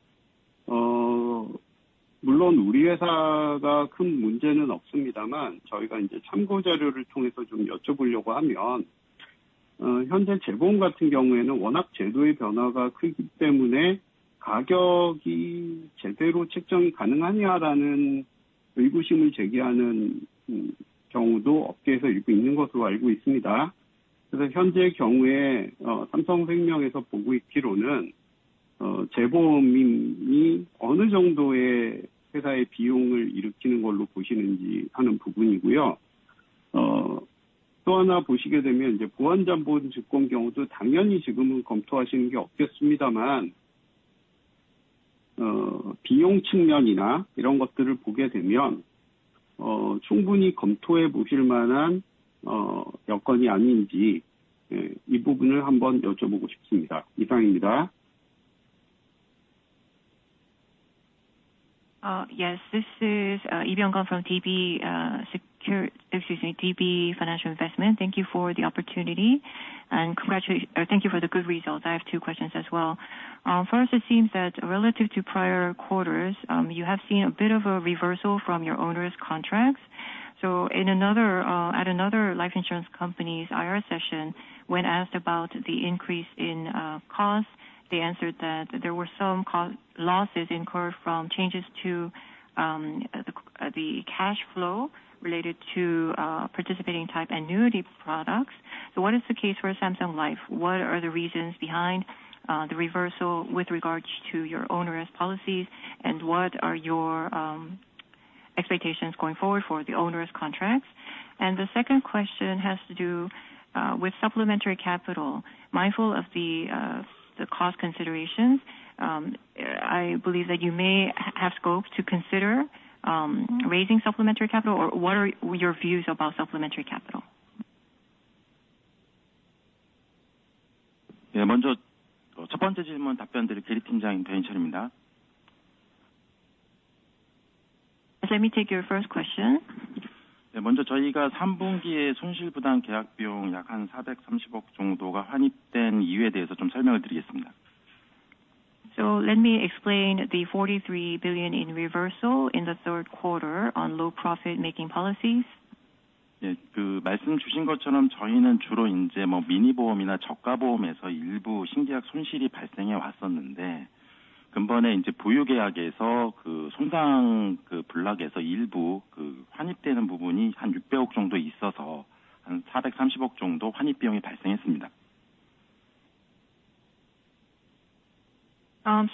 물론 우리 회사가 큰 문제는 없습니다만 저희가 참고 자료를 통해서 좀 여쭤보려고 하면 현재 재보험 같은 경우에는 워낙 제도의 변화가 크기 때문에 가격이 제대로 책정이 가능하냐라는 의구심을 제기하는 경우도 업계에서 일부 있는 것으로 알고 있습니다. 그래서 현재의 경우에 삼성생명에서 보고 있기로는 재보험이 어느 정도의 회사의 비용을 일으키는 걸로 보시는지 하는 부분이고요. 또 하나 보시게 되면 보완 자본 증권 경우도 당연히 지금은 검토하시는 게 없겠습니다만 비용 측면이나 이런 것들을 보게 되면 충분히 검토해 보실 만한 여건이 아닌지 이 부분을 한번 여쭤보고 싶습니다. 이상입니다. Yes, this is Lee Byunggeon from DB Financial Investment. Thank you for the opportunity and thank you for the good results. I have two questions as well. First, it seems that relative to prior quarters, you have seen a bit of a reversal from your onerous contracts. So at another life insurance company's IR session, when asked about the increase in costs, they answered that there were some losses incurred from changes to the cash flow related to participating type annuity products. So what is the case for Samsung Life? What are the reasons behind the reversal with regards to your onerous policies, and what are your expectations going forward for the onerous contracts? And the second question has to do with supplementary capital. Mindful of the cost considerations, I believe that you may have scope to consider raising supplementary capital, or what are your views about supplementary capital? 먼저 첫 번째 질문 답변드릴 계리 팀장 변인철입니다. Let me take your first question. 먼저 저희가 3분기에 손실 부담 계약 비용 약한 ₩43 billion 정도가 환입된 이유에 대해서 좀 설명을 드리겠습니다. So let me explain the ₩43 billion in reversal in the third quarter on onerous contracts. 말씀 주신 것처럼 저희는 주로 미니 보험이나 저가 보험에서 일부 신계약 손실이 발생해 왔었는데, 금번에 보유 계약에서 손실 블록에서 일부 환입되는 부분이 한 ₩60 billion 정도 있어서 한 ₩43 billion 정도 환입 비용이 발생했습니다.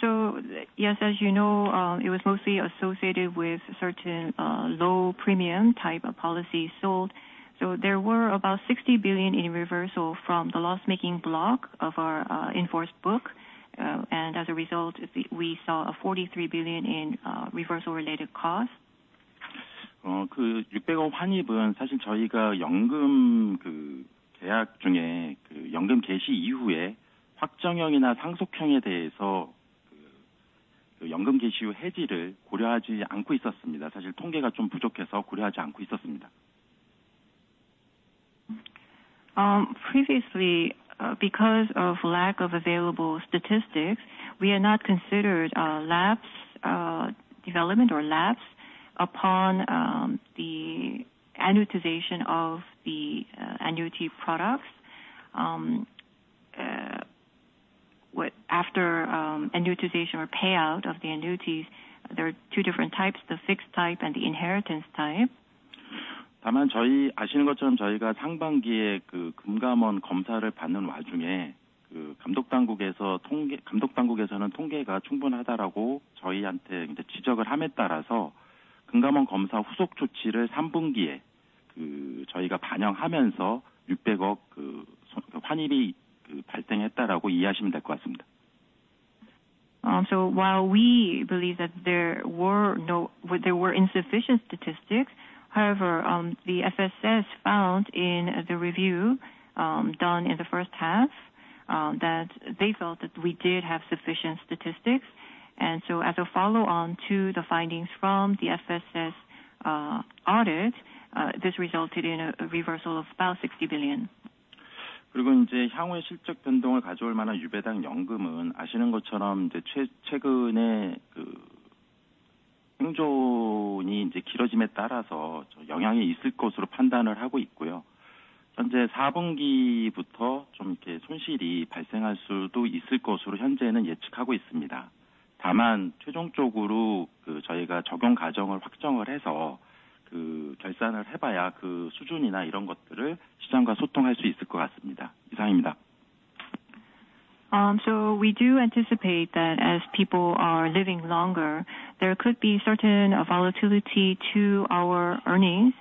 So yes, as you know, it was mostly associated with certain low premium type of policies sold. So there were about ₩60 billion in reversal from the loss making block of our inforce book, and as a result, we saw a ₩43 billion in reversal related costs. ₩60 billion 환입은 사실 저희가 연금 계약 중에 연금 개시 이후에 확정형이나 상속형에 대해서 연금 개시 후 해지를 고려하지 않고 있었습니다. 사실 통계가 좀 부족해서 고려하지 않고 있었습니다. Previously, because of lack of available statistics, we had not considered lapse development or lapse upon the annuitization of the annuity products. After annuitization or payout of the annuities, there are two different types: the fixed type and the inheritance type. 다만 저희 아시는 것처럼 저희가 상반기에 금감원 검사를 받는 와중에 감독 당국에서 통계, 감독 당국에서는 통계가 충분하다라고 저희한테 지적을 함에 따라서 금감원 검사 후속 조치를 3분기에 저희가 반영하면서 ₩60 billion 환입이 발생했다라고 이해하시면 될것 같습니다. So while we believe that there were insufficient statistics, however, the FSS found in the review done in the first half that they felt that we did have sufficient statistics. And so as a follow-on to the findings from the FSS audit, this resulted in a reversal of about ₩60 billion. 그리고 이제 향후에 실적 변동을 가져올 만한 유배당 연금은 아시는 것처럼 최근에 생존이 길어짐에 따라서 영향이 있을 것으로 판단을 하고 있고요. 현재 4분기부터 좀 이렇게 손실이 발생할 수도 있을 것으로 현재는 예측하고 있습니다. 다만 최종적으로 저희가 적용 가정을 확정을 해서 결산을 해봐야 그 수준이나 이런 것들을 시장과 소통할 수 있을 것 같습니다. 이상입니다. So we do anticipate that as people are living longer, there could be certain volatility to our earnings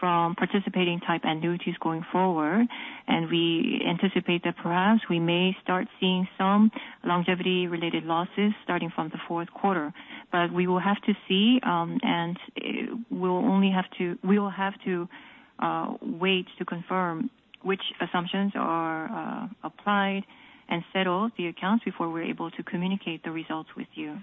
from participating type annuities going forward, and we anticipate that perhaps we may start seeing some longevity-related losses starting from the fourth quarter. But we will have to see, and we will only have to, we will have to wait to confirm which assumptions are applied and settle the accounts before we're able to communicate the results with you.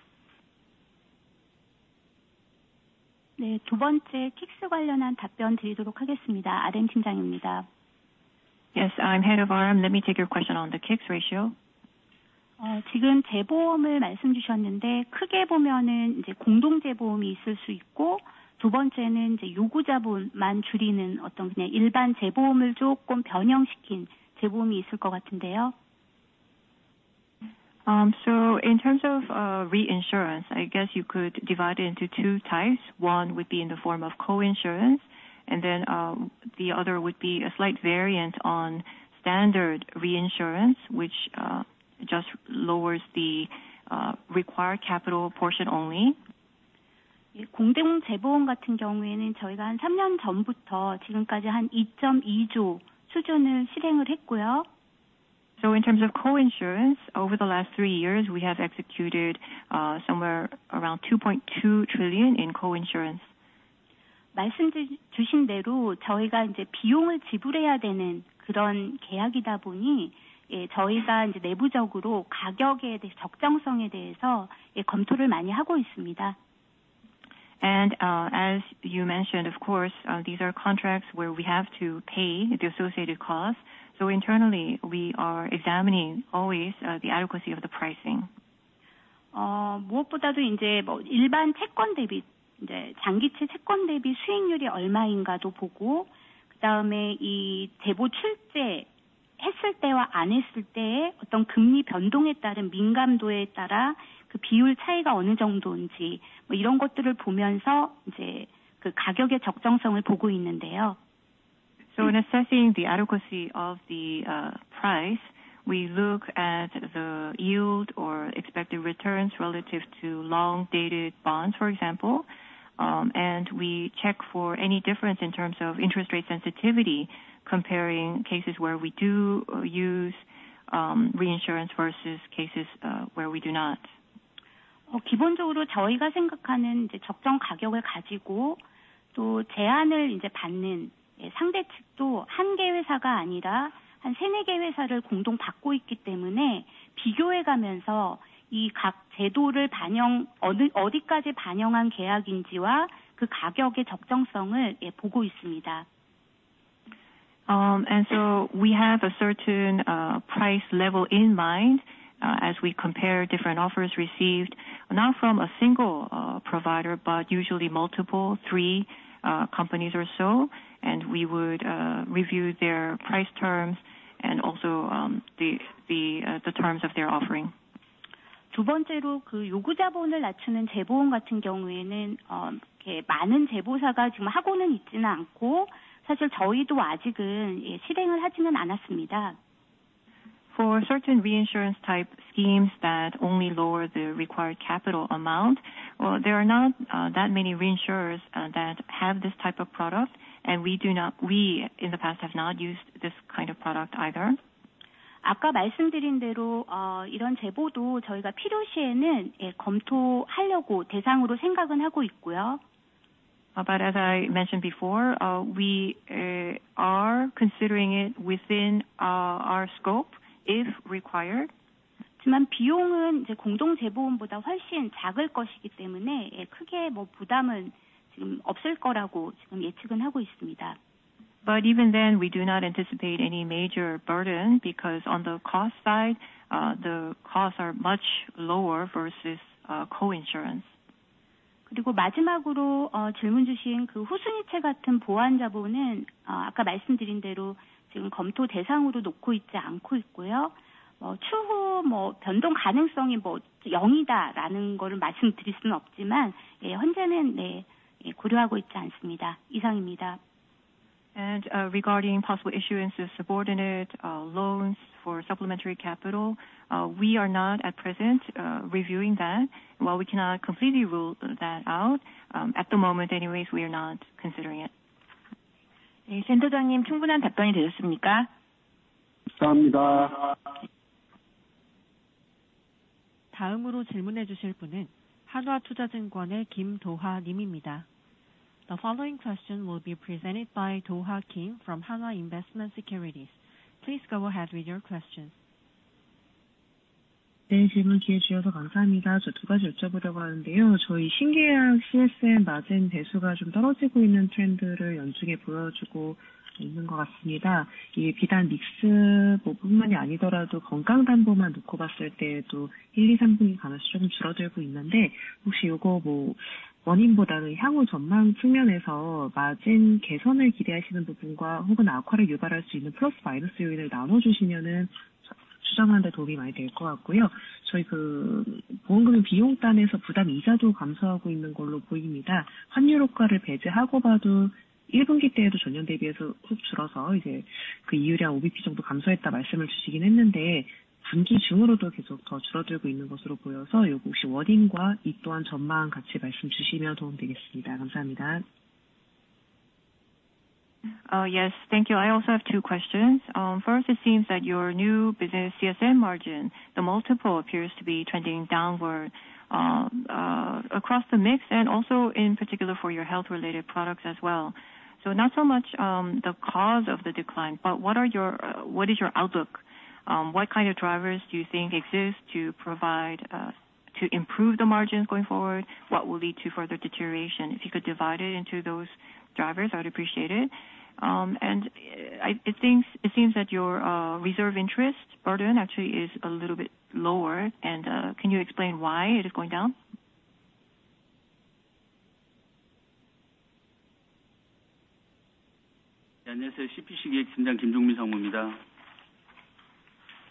두 번째, K-ICS 관련한 답변 드리도록 하겠습니다. RM 팀장입니다. Yes, I'm head of RM. Let me take your question on the K-ICS ratio. 지금 재보험을 말씀 주셨는데 크게 보면 공동 재보험이 있을 수 있고 두 번째는 요구 자본만 줄이는 어떤 그냥 일반 재보험을 조금 변형시킨 재보험이 있을 것 같은데요. So in terms of reinsurance, I guess you could divide it into two types. One would be in the form of coinsurance, and then the other would be a slight variant on standard reinsurance, which just lowers the required capital portion only. 공동 재보험 같은 경우에는 저희가 한 3년 전부터 지금까지 한 ₩2.2 trillion 수준을 실행을 했고요. So in terms of coinsurance, over the last three years, we have executed somewhere around ₩2.2 trillion in coinsurance. 말씀 주신 대로 저희가 이제 비용을 지불해야 되는 그런 계약이다 보니 저희가 이제 내부적으로 가격에 대해서 적정성에 대해서 검토를 많이 하고 있습니다. And as you mentioned, of course, these are contracts where we have to pay the associated costs. So internally, we are examining always the adequacy of the pricing. 무엇보다도 이제 일반 채권 대비 장기채 채권 대비 수익률이 얼마인가도 보고 그다음에 이 재보 출재했을 때와 안 했을 때의 어떤 금리 변동에 따른 민감도에 따라 그 비율 차이가 어느 정도인지 이런 것들을 보면서 이제 그 가격의 적정성을 보고 있는데요. So when assessing the adequacy of the price, we look at the yield or expected returns relative to long-dated bonds, for example, and we check for any difference in terms of interest rate sensitivity comparing cases where we do use reinsurance versus cases where we do not. 기본적으로 저희가 생각하는 적정 가격을 가지고 또 제안을 이제 받는 상대 측도 한개 회사가 아니라 한 서너 개 회사를 공동 받고 있기 때문에 비교해 가면서 이각 제도를 반영, 어디까지 반영한 계약인지와 그 가격의 적정성을 보고 있습니다. And so we have a certain price level in mind as we compare different offers received not from a single provider but usually multiple, three companies or so, and we would review their price terms and also the terms of their offering. 두 번째로 그 요구 자본을 낮추는 재보험 같은 경우에는 많은 재보사가 지금 하고는 있지는 않고 사실 저희도 아직은 실행을 하지는 않았습니다. For certain reinsurance type schemes that only lower the required capital amount, there are not that many reinsurers that have this type of product, and we in the past have not used this kind of product either. 아까 말씀드린 대로 이런 재보도 저희가 필요 시에는 검토하려고 대상으로 생각은 하고 있고요. But as I mentioned before, we are considering it within our scope if required. 하지만 비용은 공동 재보험보다 훨씬 작을 것이기 때문에 크게 부담은 지금 없을 거라고 지금 예측은 하고 있습니다. But even then, we do not anticipate any major burden because on the cost side, the costs are much lower versus coinsurance. 그리고 마지막으로 질문 주신 그 후순위채 같은 보완 자본은 아까 말씀드린 대로 지금 검토 대상으로 놓고 있지 않고 있고요. 추후 변동 가능성이 0이다라는 것을 말씀드릴 수는 없지만 현재는 고려하고 있지 않습니다. 이상입니다. And regarding possible issues with subordinate loans for supplementary capital, we are not at present reviewing that. While we cannot completely rule that out, at the moment anyways, we are not considering it. 이사님, 충분한 답변이 되셨습니까? 감사합니다. Was that a sufficient answer? Thank you. 다음으로 질문해 주실 분은 한화투자증권의 김도하 님입니다. The following question will be presented by Doha Kim from Hanwha Investment Securities. Please go ahead with your question. 네, 질문 기회 주셔서 감사합니다. 저두 가지 여쭤보려고 하는데요. 저희 신계약 CSM 마진 배수가 좀 떨어지고 있는 트렌드를 연중에 보여주고 있는 것 같습니다. 이게 비단 믹스뿐만이 아니더라도 건강 담보만 놓고 봤을 때에도 1, 2, 3분기 가면서 조금 줄어들고 있는데, 혹시 이거 뭐 원인보다는 향후 전망 측면에서 마진 개선을 기대하시는 부분과 혹은 악화를 유발할 수 있는 플러스 마이너스 요인을 나눠주시면 추정하는 데 도움이 많이 될것 같고요. 저희 그 보험금융 비용 단에서 부담 이자도 감소하고 있는 걸로 보입니다. 환율 효과를 배제하고 봐도 1분기 때에도 전년 대비해서 훅 줄어서 이제 그 이율이 한 5bp 정도 감소했다 말씀을 주시긴 했는데, 분기 중으로도 계속 더 줄어들고 있는 것으로 보여서 이거 혹시 원인과 이 또한 전망 같이 말씀 주시면 도움 되겠습니다. 감사합니다. Yes, thank you. I also have two questions. First, it seems that your new business CSM margin, the multiple, appears to be trending downward across the mix and also in particular for your health-related products as well. So not so much the cause of the decline, but what is your outlook? What kind of drivers do you think exist to improve the margins going forward? What will lead to further deterioration? If you could divide it into those drivers, I would appreciate it. And it seems that your reserve interest burden actually is a little bit lower, and can you explain why it is going down? 안녕하세요. CPC 기획팀장 김종민 상무입니다.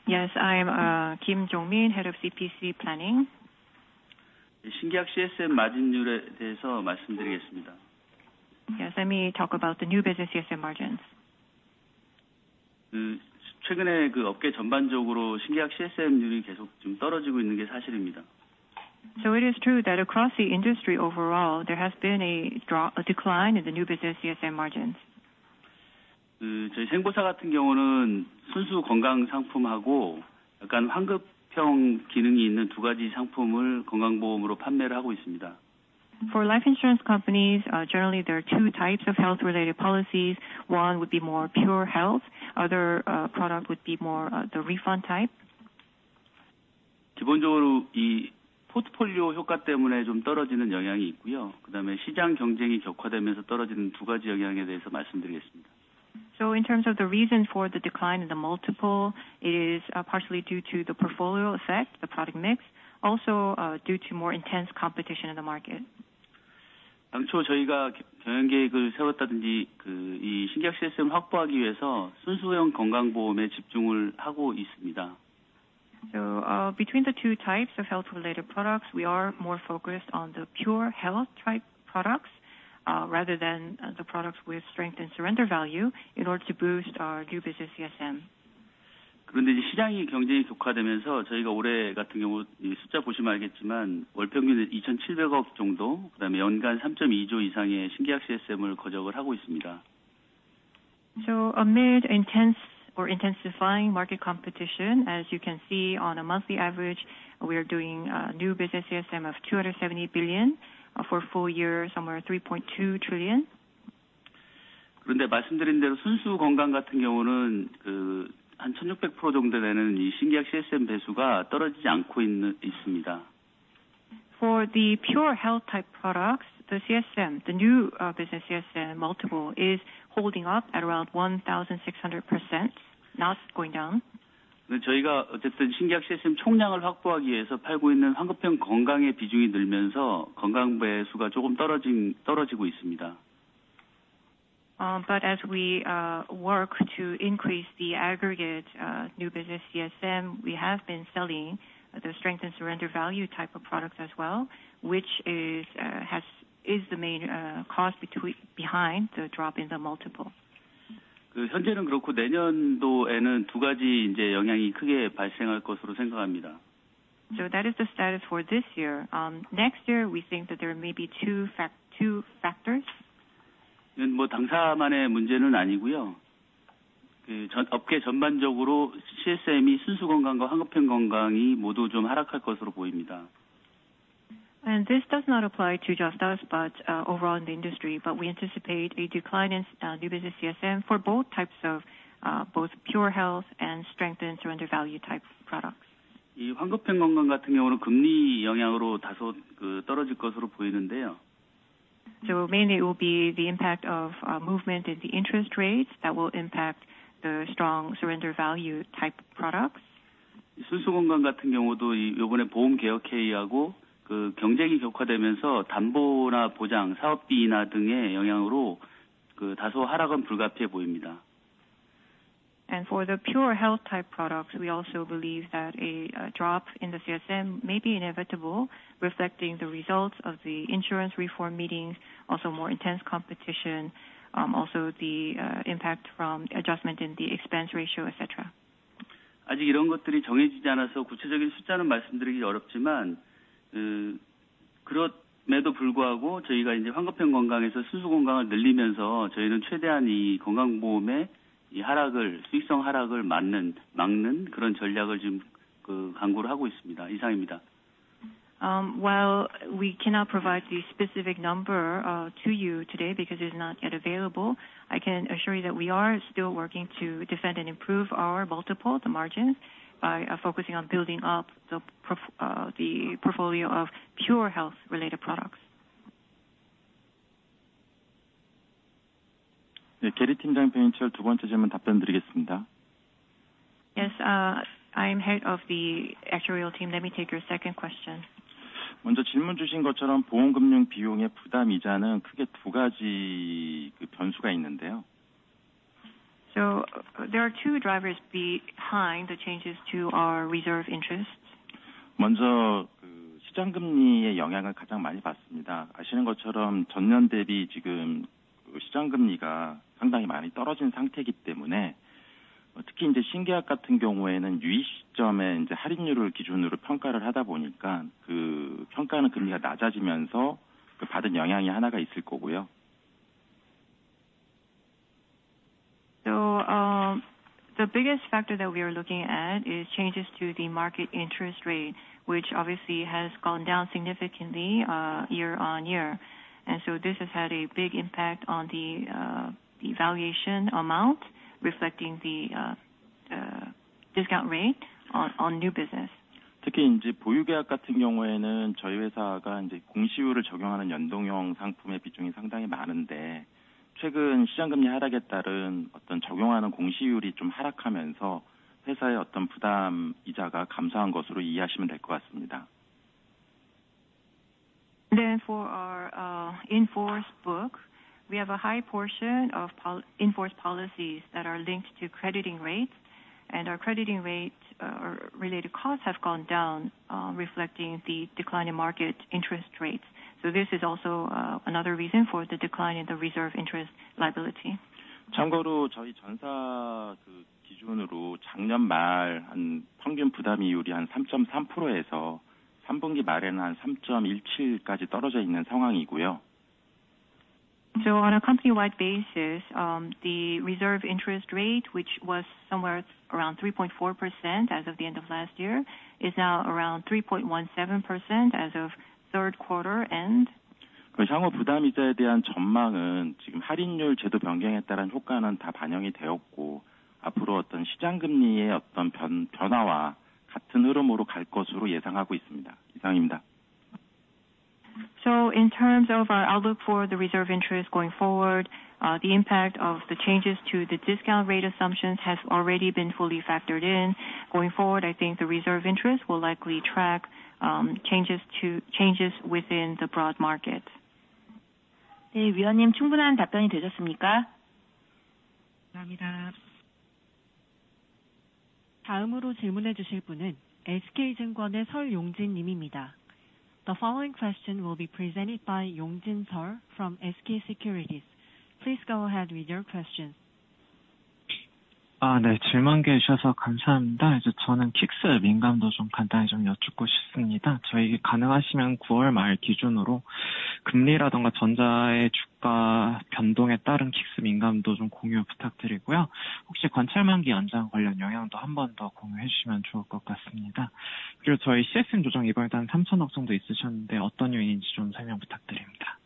Yes, I'm Kim Jong-min, head of CPC planning. 신계약 CSM 마진율에 대해서 말씀드리겠습니다. Yes, let me talk about the new business CSM margins. 최근에 업계 전반적으로 신계약 CSM율이 계속 떨어지고 있는 게 사실입니다. So it is true that across the industry overall, there has been a decline in the new business CSM margins. 저희 생보사 같은 경우는 순수 건강 상품하고 약간 환급형 기능이 있는 두 가지 상품을 건강보험으로 판매를 하고 있습니다. For life insurance companies, generally there are two types of health-related policies. One would be more pure health. Other product would be more the refund type. 기본적으로 이 포트폴리오 효과 때문에 좀 떨어지는 영향이 있고요. 그다음에 시장 경쟁이 격화되면서 떨어지는 두 가지 영향에 대해서 말씀드리겠습니다. So in terms of the reason for the decline in the multiple, it is partially due to the portfolio effect, the product mix, also due to more intense competition in the market. 당초 저희가 경영 계획을 세웠다든지 이 신계약 CSM을 확보하기 위해서 순수형 건강보험에 집중을 하고 있습니다. So between the two types of health-related products, we are more focused on the pure health-type products rather than the products with surrender value in order to boost our new business CSM. 그런데 이제 시장이 경쟁이 격화되면서 저희가 올해 같은 경우 숫자 보시면 알겠지만 월평균 ₩270 billion 정도, 그다음에 연간 ₩3.2 trillion 이상의 신계약 CSM을 거둬들이고 있습니다. So amid intense or intensifying market competition, as you can see on a monthly average, we are doing new business CSM of ₩270 billion, for the year somewhere ₩3.2 trillion. 그런데 말씀드린 대로 순수 건강 같은 경우는 한 1,600% 정도 되는 이 신계약 CSM 배수가 떨어지지 않고 있습니다. For the pure health-type products, the CSM, the new business CSM multiple is holding up at around 1,600%, not going down. 저희가 어쨌든 신계약 CSM 총량을 확보하기 위해서 팔고 있는 환급형 건강의 비중이 늘면서 건강 배수가 조금 떨어지고 있습니다. But as we work to increase the aggregate new business CSM, we have been selling the surrender value type of products as well, which is the main cause behind the drop in the multiple. 현재는 그렇고 내년도에는 두 가지 이제 영향이 크게 발생할 것으로 생각합니다. So that is the status for this year. Next year, we think that there may be two factors. 뭐 당사만의 문제는 아니고요. 업계 전반적으로 CSM이 순수 건강과 환급형 건강이 모두 좀 하락할 것으로 보입니다. And this does not apply to just us, but overall in the industry, but we anticipate a decline in new business CSM for both types of both pure health and surrender value type products. 이 환급형 건강 같은 경우는 금리 영향으로 다소 떨어질 것으로 보이는데요. So mainly it will be the impact of movement in the interest rates that will impact the surrender value type products. 순수 건강 같은 경우도 이번에 보험 개혁회의하고 경쟁이 격화되면서 담보나 보장, 사업비나 등의 영향으로 다소 하락은 불가피해 보입니다. And for the pure health-type products, we also believe that a drop in the CSM may be inevitable, reflecting the results of the insurance reform meetings, also more intense competition, also the impact from adjustment in the expense ratio, etc. 아직 이런 것들이 정해지지 않아서 구체적인 숫자는 말씀드리기 어렵지만 그럼에도 불구하고 저희가 이제 환급형 건강에서 순수 건강을 늘리면서 저희는 최대한 이 건강보험의 하락을, 수익성 하락을 막는 그런 전략을 지금 강구를 하고 있습니다. 이상입니다. While we cannot provide the specific number to you today because it is not yet available, I can assure you that we are still working to defend and improve our multiple, the margins, by focusing on building up the portfolio of pure health-related products. 네, 계리팀장 변인철로 두 번째 질문 답변드리겠습니다. Yes, I'm head of the actuarial team. Let me take your second question. 먼저 질문 주신 것처럼 보험금융 비용의 부담 이자는 크게 두 가지 변수가 있는데요. So there are two drivers behind the changes to our reserve interests. 먼저 시장 금리의 영향을 가장 많이 받습니다. 아시는 것처럼 전년 대비 지금 시장 금리가 상당히 많이 떨어진 상태이기 때문에 특히 이제 신계약 같은 경우에는 유입 시점에 이제 할인율을 기준으로 평가를 하다 보니까 그 평가하는 금리가 낮아지면서 받은 영향이 하나가 있을 거고요. So the biggest factor that we are looking at is changes to the market interest rate, which obviously has gone down significantly year on year. And so this has had a big impact on the valuation amount, reflecting the discount rate on new business. 특히 이제 보유 계약 같은 경우에는 저희 회사가 이제 공시율을 적용하는 연동형 상품의 비중이 상당히 많은데 최근 시장 금리 하락에 따른 어떤 적용하는 공시율이 좀 하락하면서 회사의 어떤 부담 이자가 감소한 것으로 이해하시면 될것 같습니다. Then for our inforce book, we have a high portion of inforce policies that are linked to crediting rates, and our crediting rate-related costs have gone down, reflecting the decline in market interest rates. So this is also another reason for the decline in the reserve interest liability. 참고로 저희 전사 기준으로 작년 말한 평균 부담 이율이 한 3.3%에서 3분기 말에는 한 3.17%까지 떨어져 있는 상황이고요. So on a company-wide basis, the reserve interest rate, which was somewhere around 3.3% as of the end of last year, is now around 3.17% as of third quarter end. 향후 부담 이자에 대한 전망은 지금 할인율 제도 변경에 따른 효과는 다 반영이 되었고 앞으로 어떤 시장 금리의 어떤 변화와 같은 흐름으로 갈 것으로 예상하고 있습니다. 이상입니다. So in terms of our outlook for the reserve interest going forward, the impact of the changes to the discount rate assumptions has already been fully factored in. Going forward, I think the reserve interest will likely track changes within the broad market. 네, 이사님 충분한 답변이 되셨습니까? 감사합니다. Was that a sufficient answer? Thank you. 다음으로 질문해 주실 분은 SK증권의 설용진 님입니다. The following question will be presented by Yongjin Seol from SK Securities. Please go ahead with your question. 네, 질문 주셔서 감사합니다. 저는 K-ICS의 민감도 좀 간단히 여쭙고 싶습니다. 저희 가능하시면 9월 말 기준으로 금리라든가 전자의 주가 변동에 따른 K-ICS 민감도 좀 공유 부탁드리고요. 혹시 관찰만기 연장 관련 영향도 한번더 공유해 주시면 좋을 것 같습니다. 그리고 저희 CSM 조정 이번에도 한 ₩300 billion 정도 있으셨는데 어떤 요인인지 좀 설명 부탁드립니다.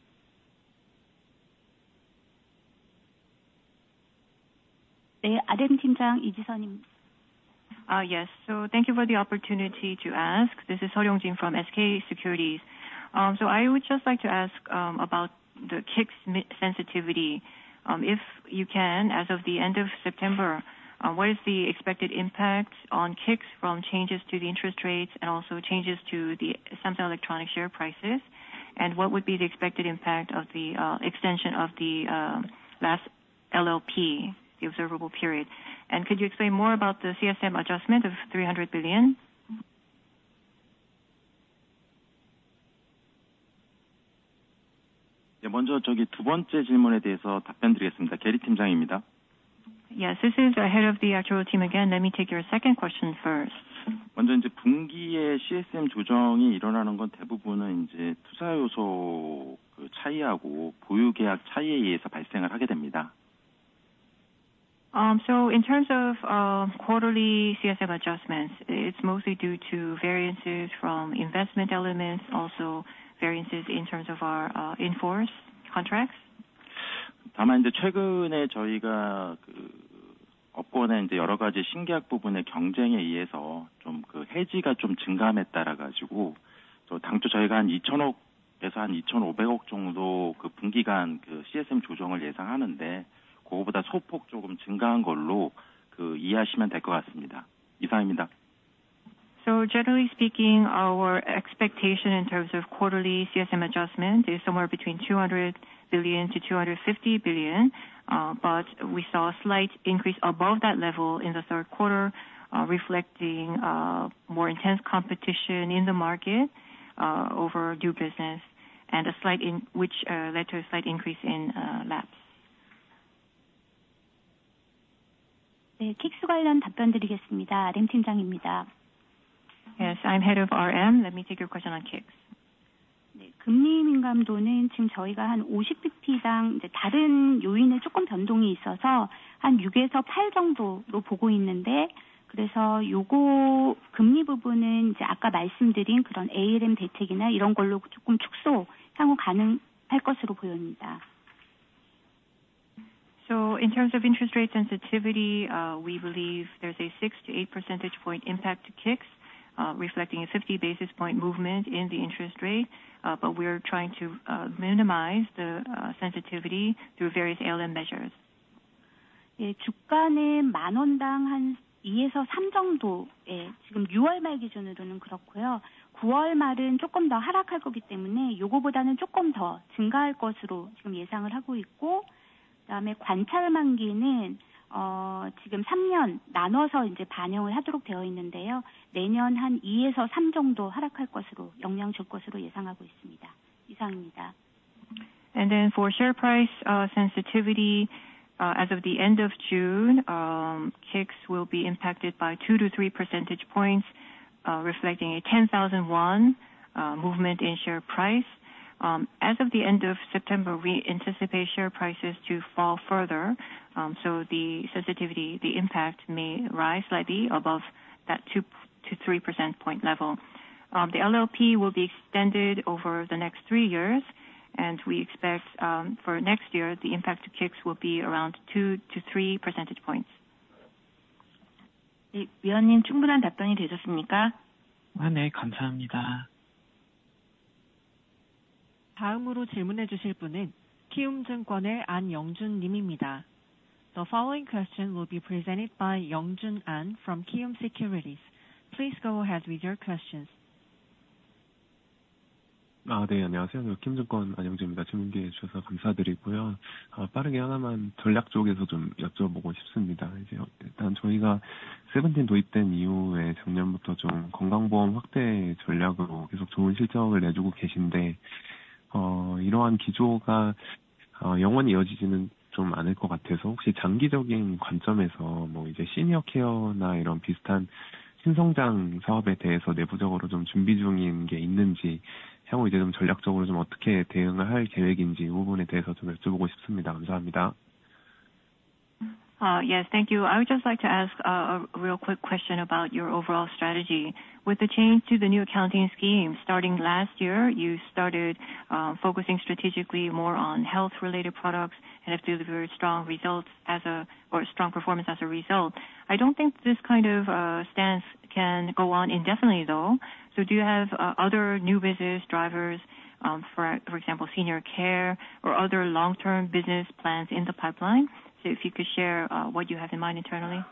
Yes, so thank you for the opportunity to ask. This is Seol Yongjin from SK Securities. So I would just like to ask about the K-ICS sensitivity. If you can, as of the end of September, what is the expected impact on K-ICS from changes to the interest rates and also changes to the Samsung Electronics share prices? And what would be the expected impact of the extension of the last liquid point, the observable period? And could you explain more about the CSM adjustment of ₩300 billion? 네, 먼저 저기 두 번째 질문에 대해서 답변드리겠습니다. 계리팀장입니다. Yes, this is the head of the actuarial team again. Let me take your second question first. 먼저 이제 분기에 CSM 조정이 일어나는 건 대부분은 이제 투자 요소 차이하고 보유 계약 차이에 의해서 발생을 하게 됩니다. So in terms of quarterly CSM adjustments, it's mostly due to variances from investment elements, also variances in terms of our inforce contracts. 다만 이제 최근에 저희가 업권의 여러 가지 신계약 부분의 경쟁에 의해서 좀 해지가 좀 증가함에 따라가지고 당초 저희가 한 ₩200 billion에서 한 ₩250 billion 정도 분기간 CSM 조정을 예상하는데 그거보다 소폭 조금 증가한 걸로 이해하시면 될것 같습니다. 이상입니다. So generally speaking, our expectation in terms of quarterly CSM adjustment is somewhere between ₩200 billion to ₩250 billion, but we saw a slight increase above that level in the third quarter, reflecting more intense competition in the market over new business and a slight, which led to a slight increase in lapses. K-ICS 관련 답변드리겠습니다. RM팀장입니다. Yes, I'm head of RM. Let me take your question on K-ICS. 금리 민감도는 지금 저희가 한 50bp당 다른 요인의 조금 변동이 있어서 한 6에서 8 정도로 보고 있는데 그래서 이거 금리 부분은 이제 아까 말씀드린 그런 ALM 대책이나 이런 걸로 조금 축소 향후 가능할 것으로 보입니다. So in terms of interest rate sensitivity, we believe there's a 6 to 8 percentage point impact to K-ICS, reflecting a 50 basis point movement in the interest rate, but we're trying to minimize the sensitivity through various ALM measures. 주가는 만 원당 한 2에서 3 정도 지금 6월 말 기준으로는 그렇고요. 9월 말은 조금 더 하락할 거기 때문에 이거보다는 조금 더 증가할 것으로 지금 예상을 하고 있고 그다음에 관찰만기는 지금 3년 나눠서 이제 반영을 하도록 되어 있는데요. 내년 한 2에서 3 정도 하락할 것으로 영향 줄 것으로 예상하고 있습니다. 이상입니다. And then for share price sensitivity, as of the end of June, K-ICS will be impacted by 2 to 3 percentage points, reflecting a ₩10,000 movement in share price. As of the end of September, we anticipate share prices to fall further, so the sensitivity, the impact may rise slightly above that 2 to 3 percentage point level. The LLP will be extended over the next three years, and we expect for next year the impact to K-ICS will be around 2 to 3 percentage points. 이사님 충분한 답변이 되셨습니까? 네, 감사합니다. Was that a sufficient answer? Yes, thank you. 다음으로 질문해 주실 분은 키움증권의 안영준 님입니다. The following question will be presented by Yongjun An from Kium Securities. Please go ahead with your questions. 네, 안녕하세요. 저희 키움증권 안영준입니다. 질문 기회 주셔서 감사드리고요. 빠르게 하나만 전략 쪽에서 좀 여쭤보고 싶습니다. 이제 일단 저희가 IFRS 17 도입된 이후에 작년부터 좀 건강보험 확대 전략으로 계속 좋은 실적을 내주고 계신데 이러한 기조가 영원히 이어지지는 좀 않을 것 같아서 혹시 장기적인 관점에서 뭐 이제 시니어 케어나 이런 비슷한 신성장 사업에 대해서 내부적으로 좀 준비 중인 게 있는지 향후 이제 좀 전략적으로 좀 어떻게 대응을 할 계획인지 이 부분에 대해서 좀 여쭤보고 싶습니다. 감사합니다. Yes, thank you. I would just like to ask a real quick question about your overall strategy. With the change to the new accounting scheme starting last year, you started focusing strategically more on health-related products and have delivered strong results as a, or strong performance as a result. I don't think this kind of stance can go on indefinitely, though. So do you have other new business drivers, for example, senior care or other long-term business plans in the pipeline? So if you could share what you have in mind internally.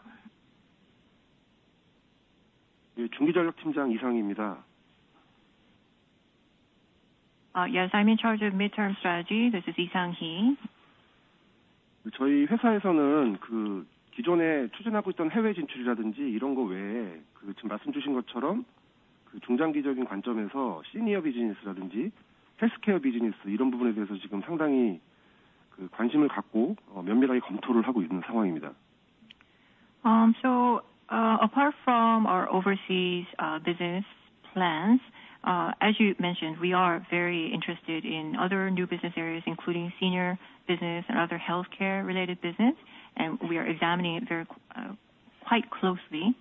네, 중기전략팀장 이상희입니다. Yes, I'm in charge of midterm strategy. This is 이상희. 저희 회사에서는 그 기존에 추진하고 있던 해외 진출이라든지 이런 거 외에 지금 말씀 주신 것처럼 중장기적인 관점에서 시니어 비즈니스라든지 헬스케어 비즈니스 이런 부분에 대해서 지금 상당히 관심을 갖고 면밀하게 검토를 하고 있는 상황입니다. So apart from our overseas business plans, as you mentioned, we are very interested in other new business areas including senior business and other healthcare-related business, and we are examining it quite closely.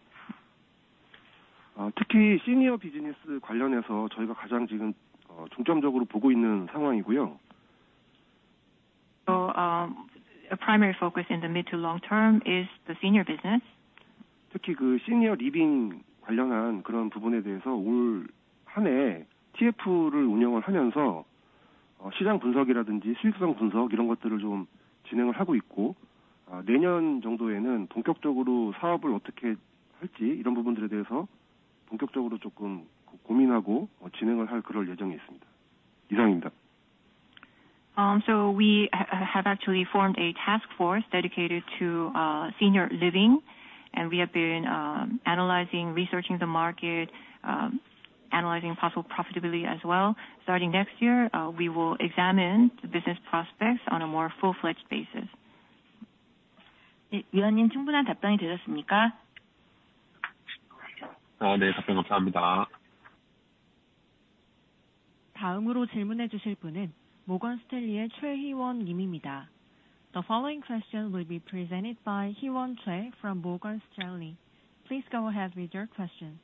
특히 시니어 비즈니스 관련해서 저희가 가장 지금 중점적으로 보고 있는 상황이고요. So primary focus in the mid to long term is the senior business. 특히 그 시니어 리빙 관련한 그런 부분에 대해서 올한해 TF를 운영을 하면서 시장 분석이라든지 수익성 분석 이런 것들을 좀 진행을 하고 있고 내년 정도에는 본격적으로 사업을 어떻게 할지 이런 부분들에 대해서 본격적으로 조금 고민하고 진행을 할 그럴 예정에 있습니다. 이상입니다. So we have actually formed a task force dedicated to senior living, and we have been analyzing, researching the market, analyzing possible profitability as well. Starting next year, we will examine the business prospects on a more full-fledged basis. 이사님 충분한 답변이 되셨습니까? 네, 답변 감사합니다. Was that a sufficient answer? Yes, thank you for the answer. 다음으로 질문해 주실 분은 모건스탠리의 최희원 님입니다. The following question will be presented by Hee-won Choi from Morgan Stanley. Please go ahead with your question.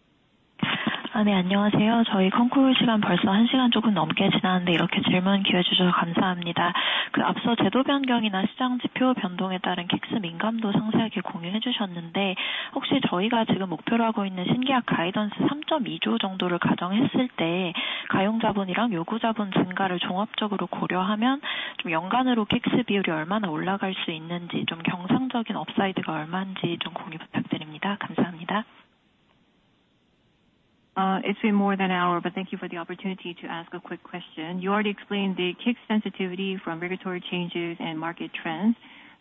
네, 안녕하세요. 저희 컨콜 시간 벌써 1시간 조금 넘게 지났는데 이렇게 질문 기회 주셔서 감사합니다. 그 앞서 제도 변경이나 시장 지표 변동에 따른 K-ICS 민감도 상세하게 공유해 주셨는데 혹시 저희가 지금 목표로 하고 있는 신계약 가이던스 ₩3.2 trillion 정도를 가정했을 때 가용자본이랑 요구자본 증가를 종합적으로 고려하면 좀 연간으로 K-ICS 비율이 얼마나 올라갈 수 있는지 좀 경상적인 업사이드가 얼마인지 좀 공유 부탁드립니다. 감사합니다. It's been more than an hour, but thank you for the opportunity to ask a quick question. You already explained the K-ICS sensitivity from regulatory changes and market trends.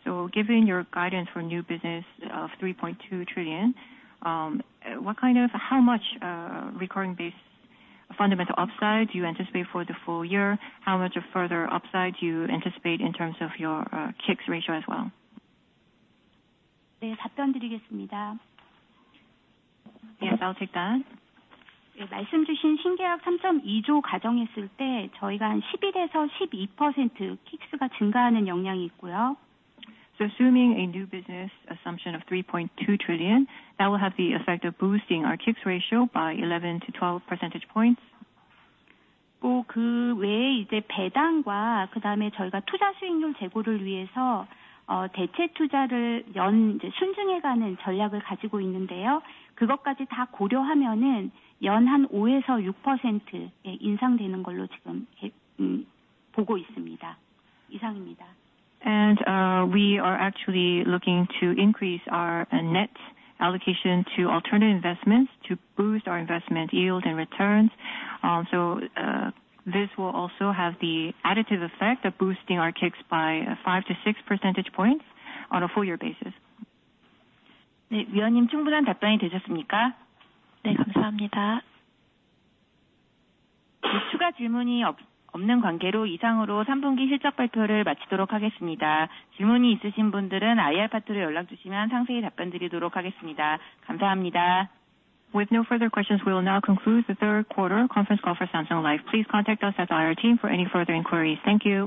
So given your guidance for new business of ₩3.2 trillion, what kind of, how much recurring base fundamental upside do you anticipate for the full year? How much further upside do you anticipate in terms of your K-ICS ratio as well? 네, 답변드리겠습니다. Yes, I'll take that. 말씀 주신 신계약 ₩3.2 trillion 가정했을 때 저희가 한 11에서 12% K-ICS가 증가하는 영향이 있고요. So assuming a new business assumption of ₩3.2 trillion, that will have the effect of boosting our K-ICS ratio by 11% to 12%. 또그 외에 이제 배당과 그다음에 저희가 투자 수익률 제고를 위해서 대체 투자를 연 순증해가는 전략을 가지고 있는데요. 그것까지 다 고려하면 연한 5에서 6% 인상되는 걸로 지금 보고 있습니다. 이상입니다. And we are actually looking to increase our net allocation to alternative investments to boost our investment yield and returns. So this will also have the additive effect of boosting our K-ICS by 5% to 6% on a full year basis. 네, 이사님 충분한 답변이 되셨습니까? 네, 감사합니다. Was that a sufficient answer? Yes, thank you. 추가 질문이 없는 관계로 이상으로 3분기 실적 발표를 마치도록 하겠습니다. 질문이 있으신 분들은 IR 파트로 연락 주시면 상세히 답변드리도록 하겠습니다. 감사합니다. With no further questions, we will now conclude the third quarter conference call for Samsung Life. Please contact us at IR team for any further inquiries. Thank you.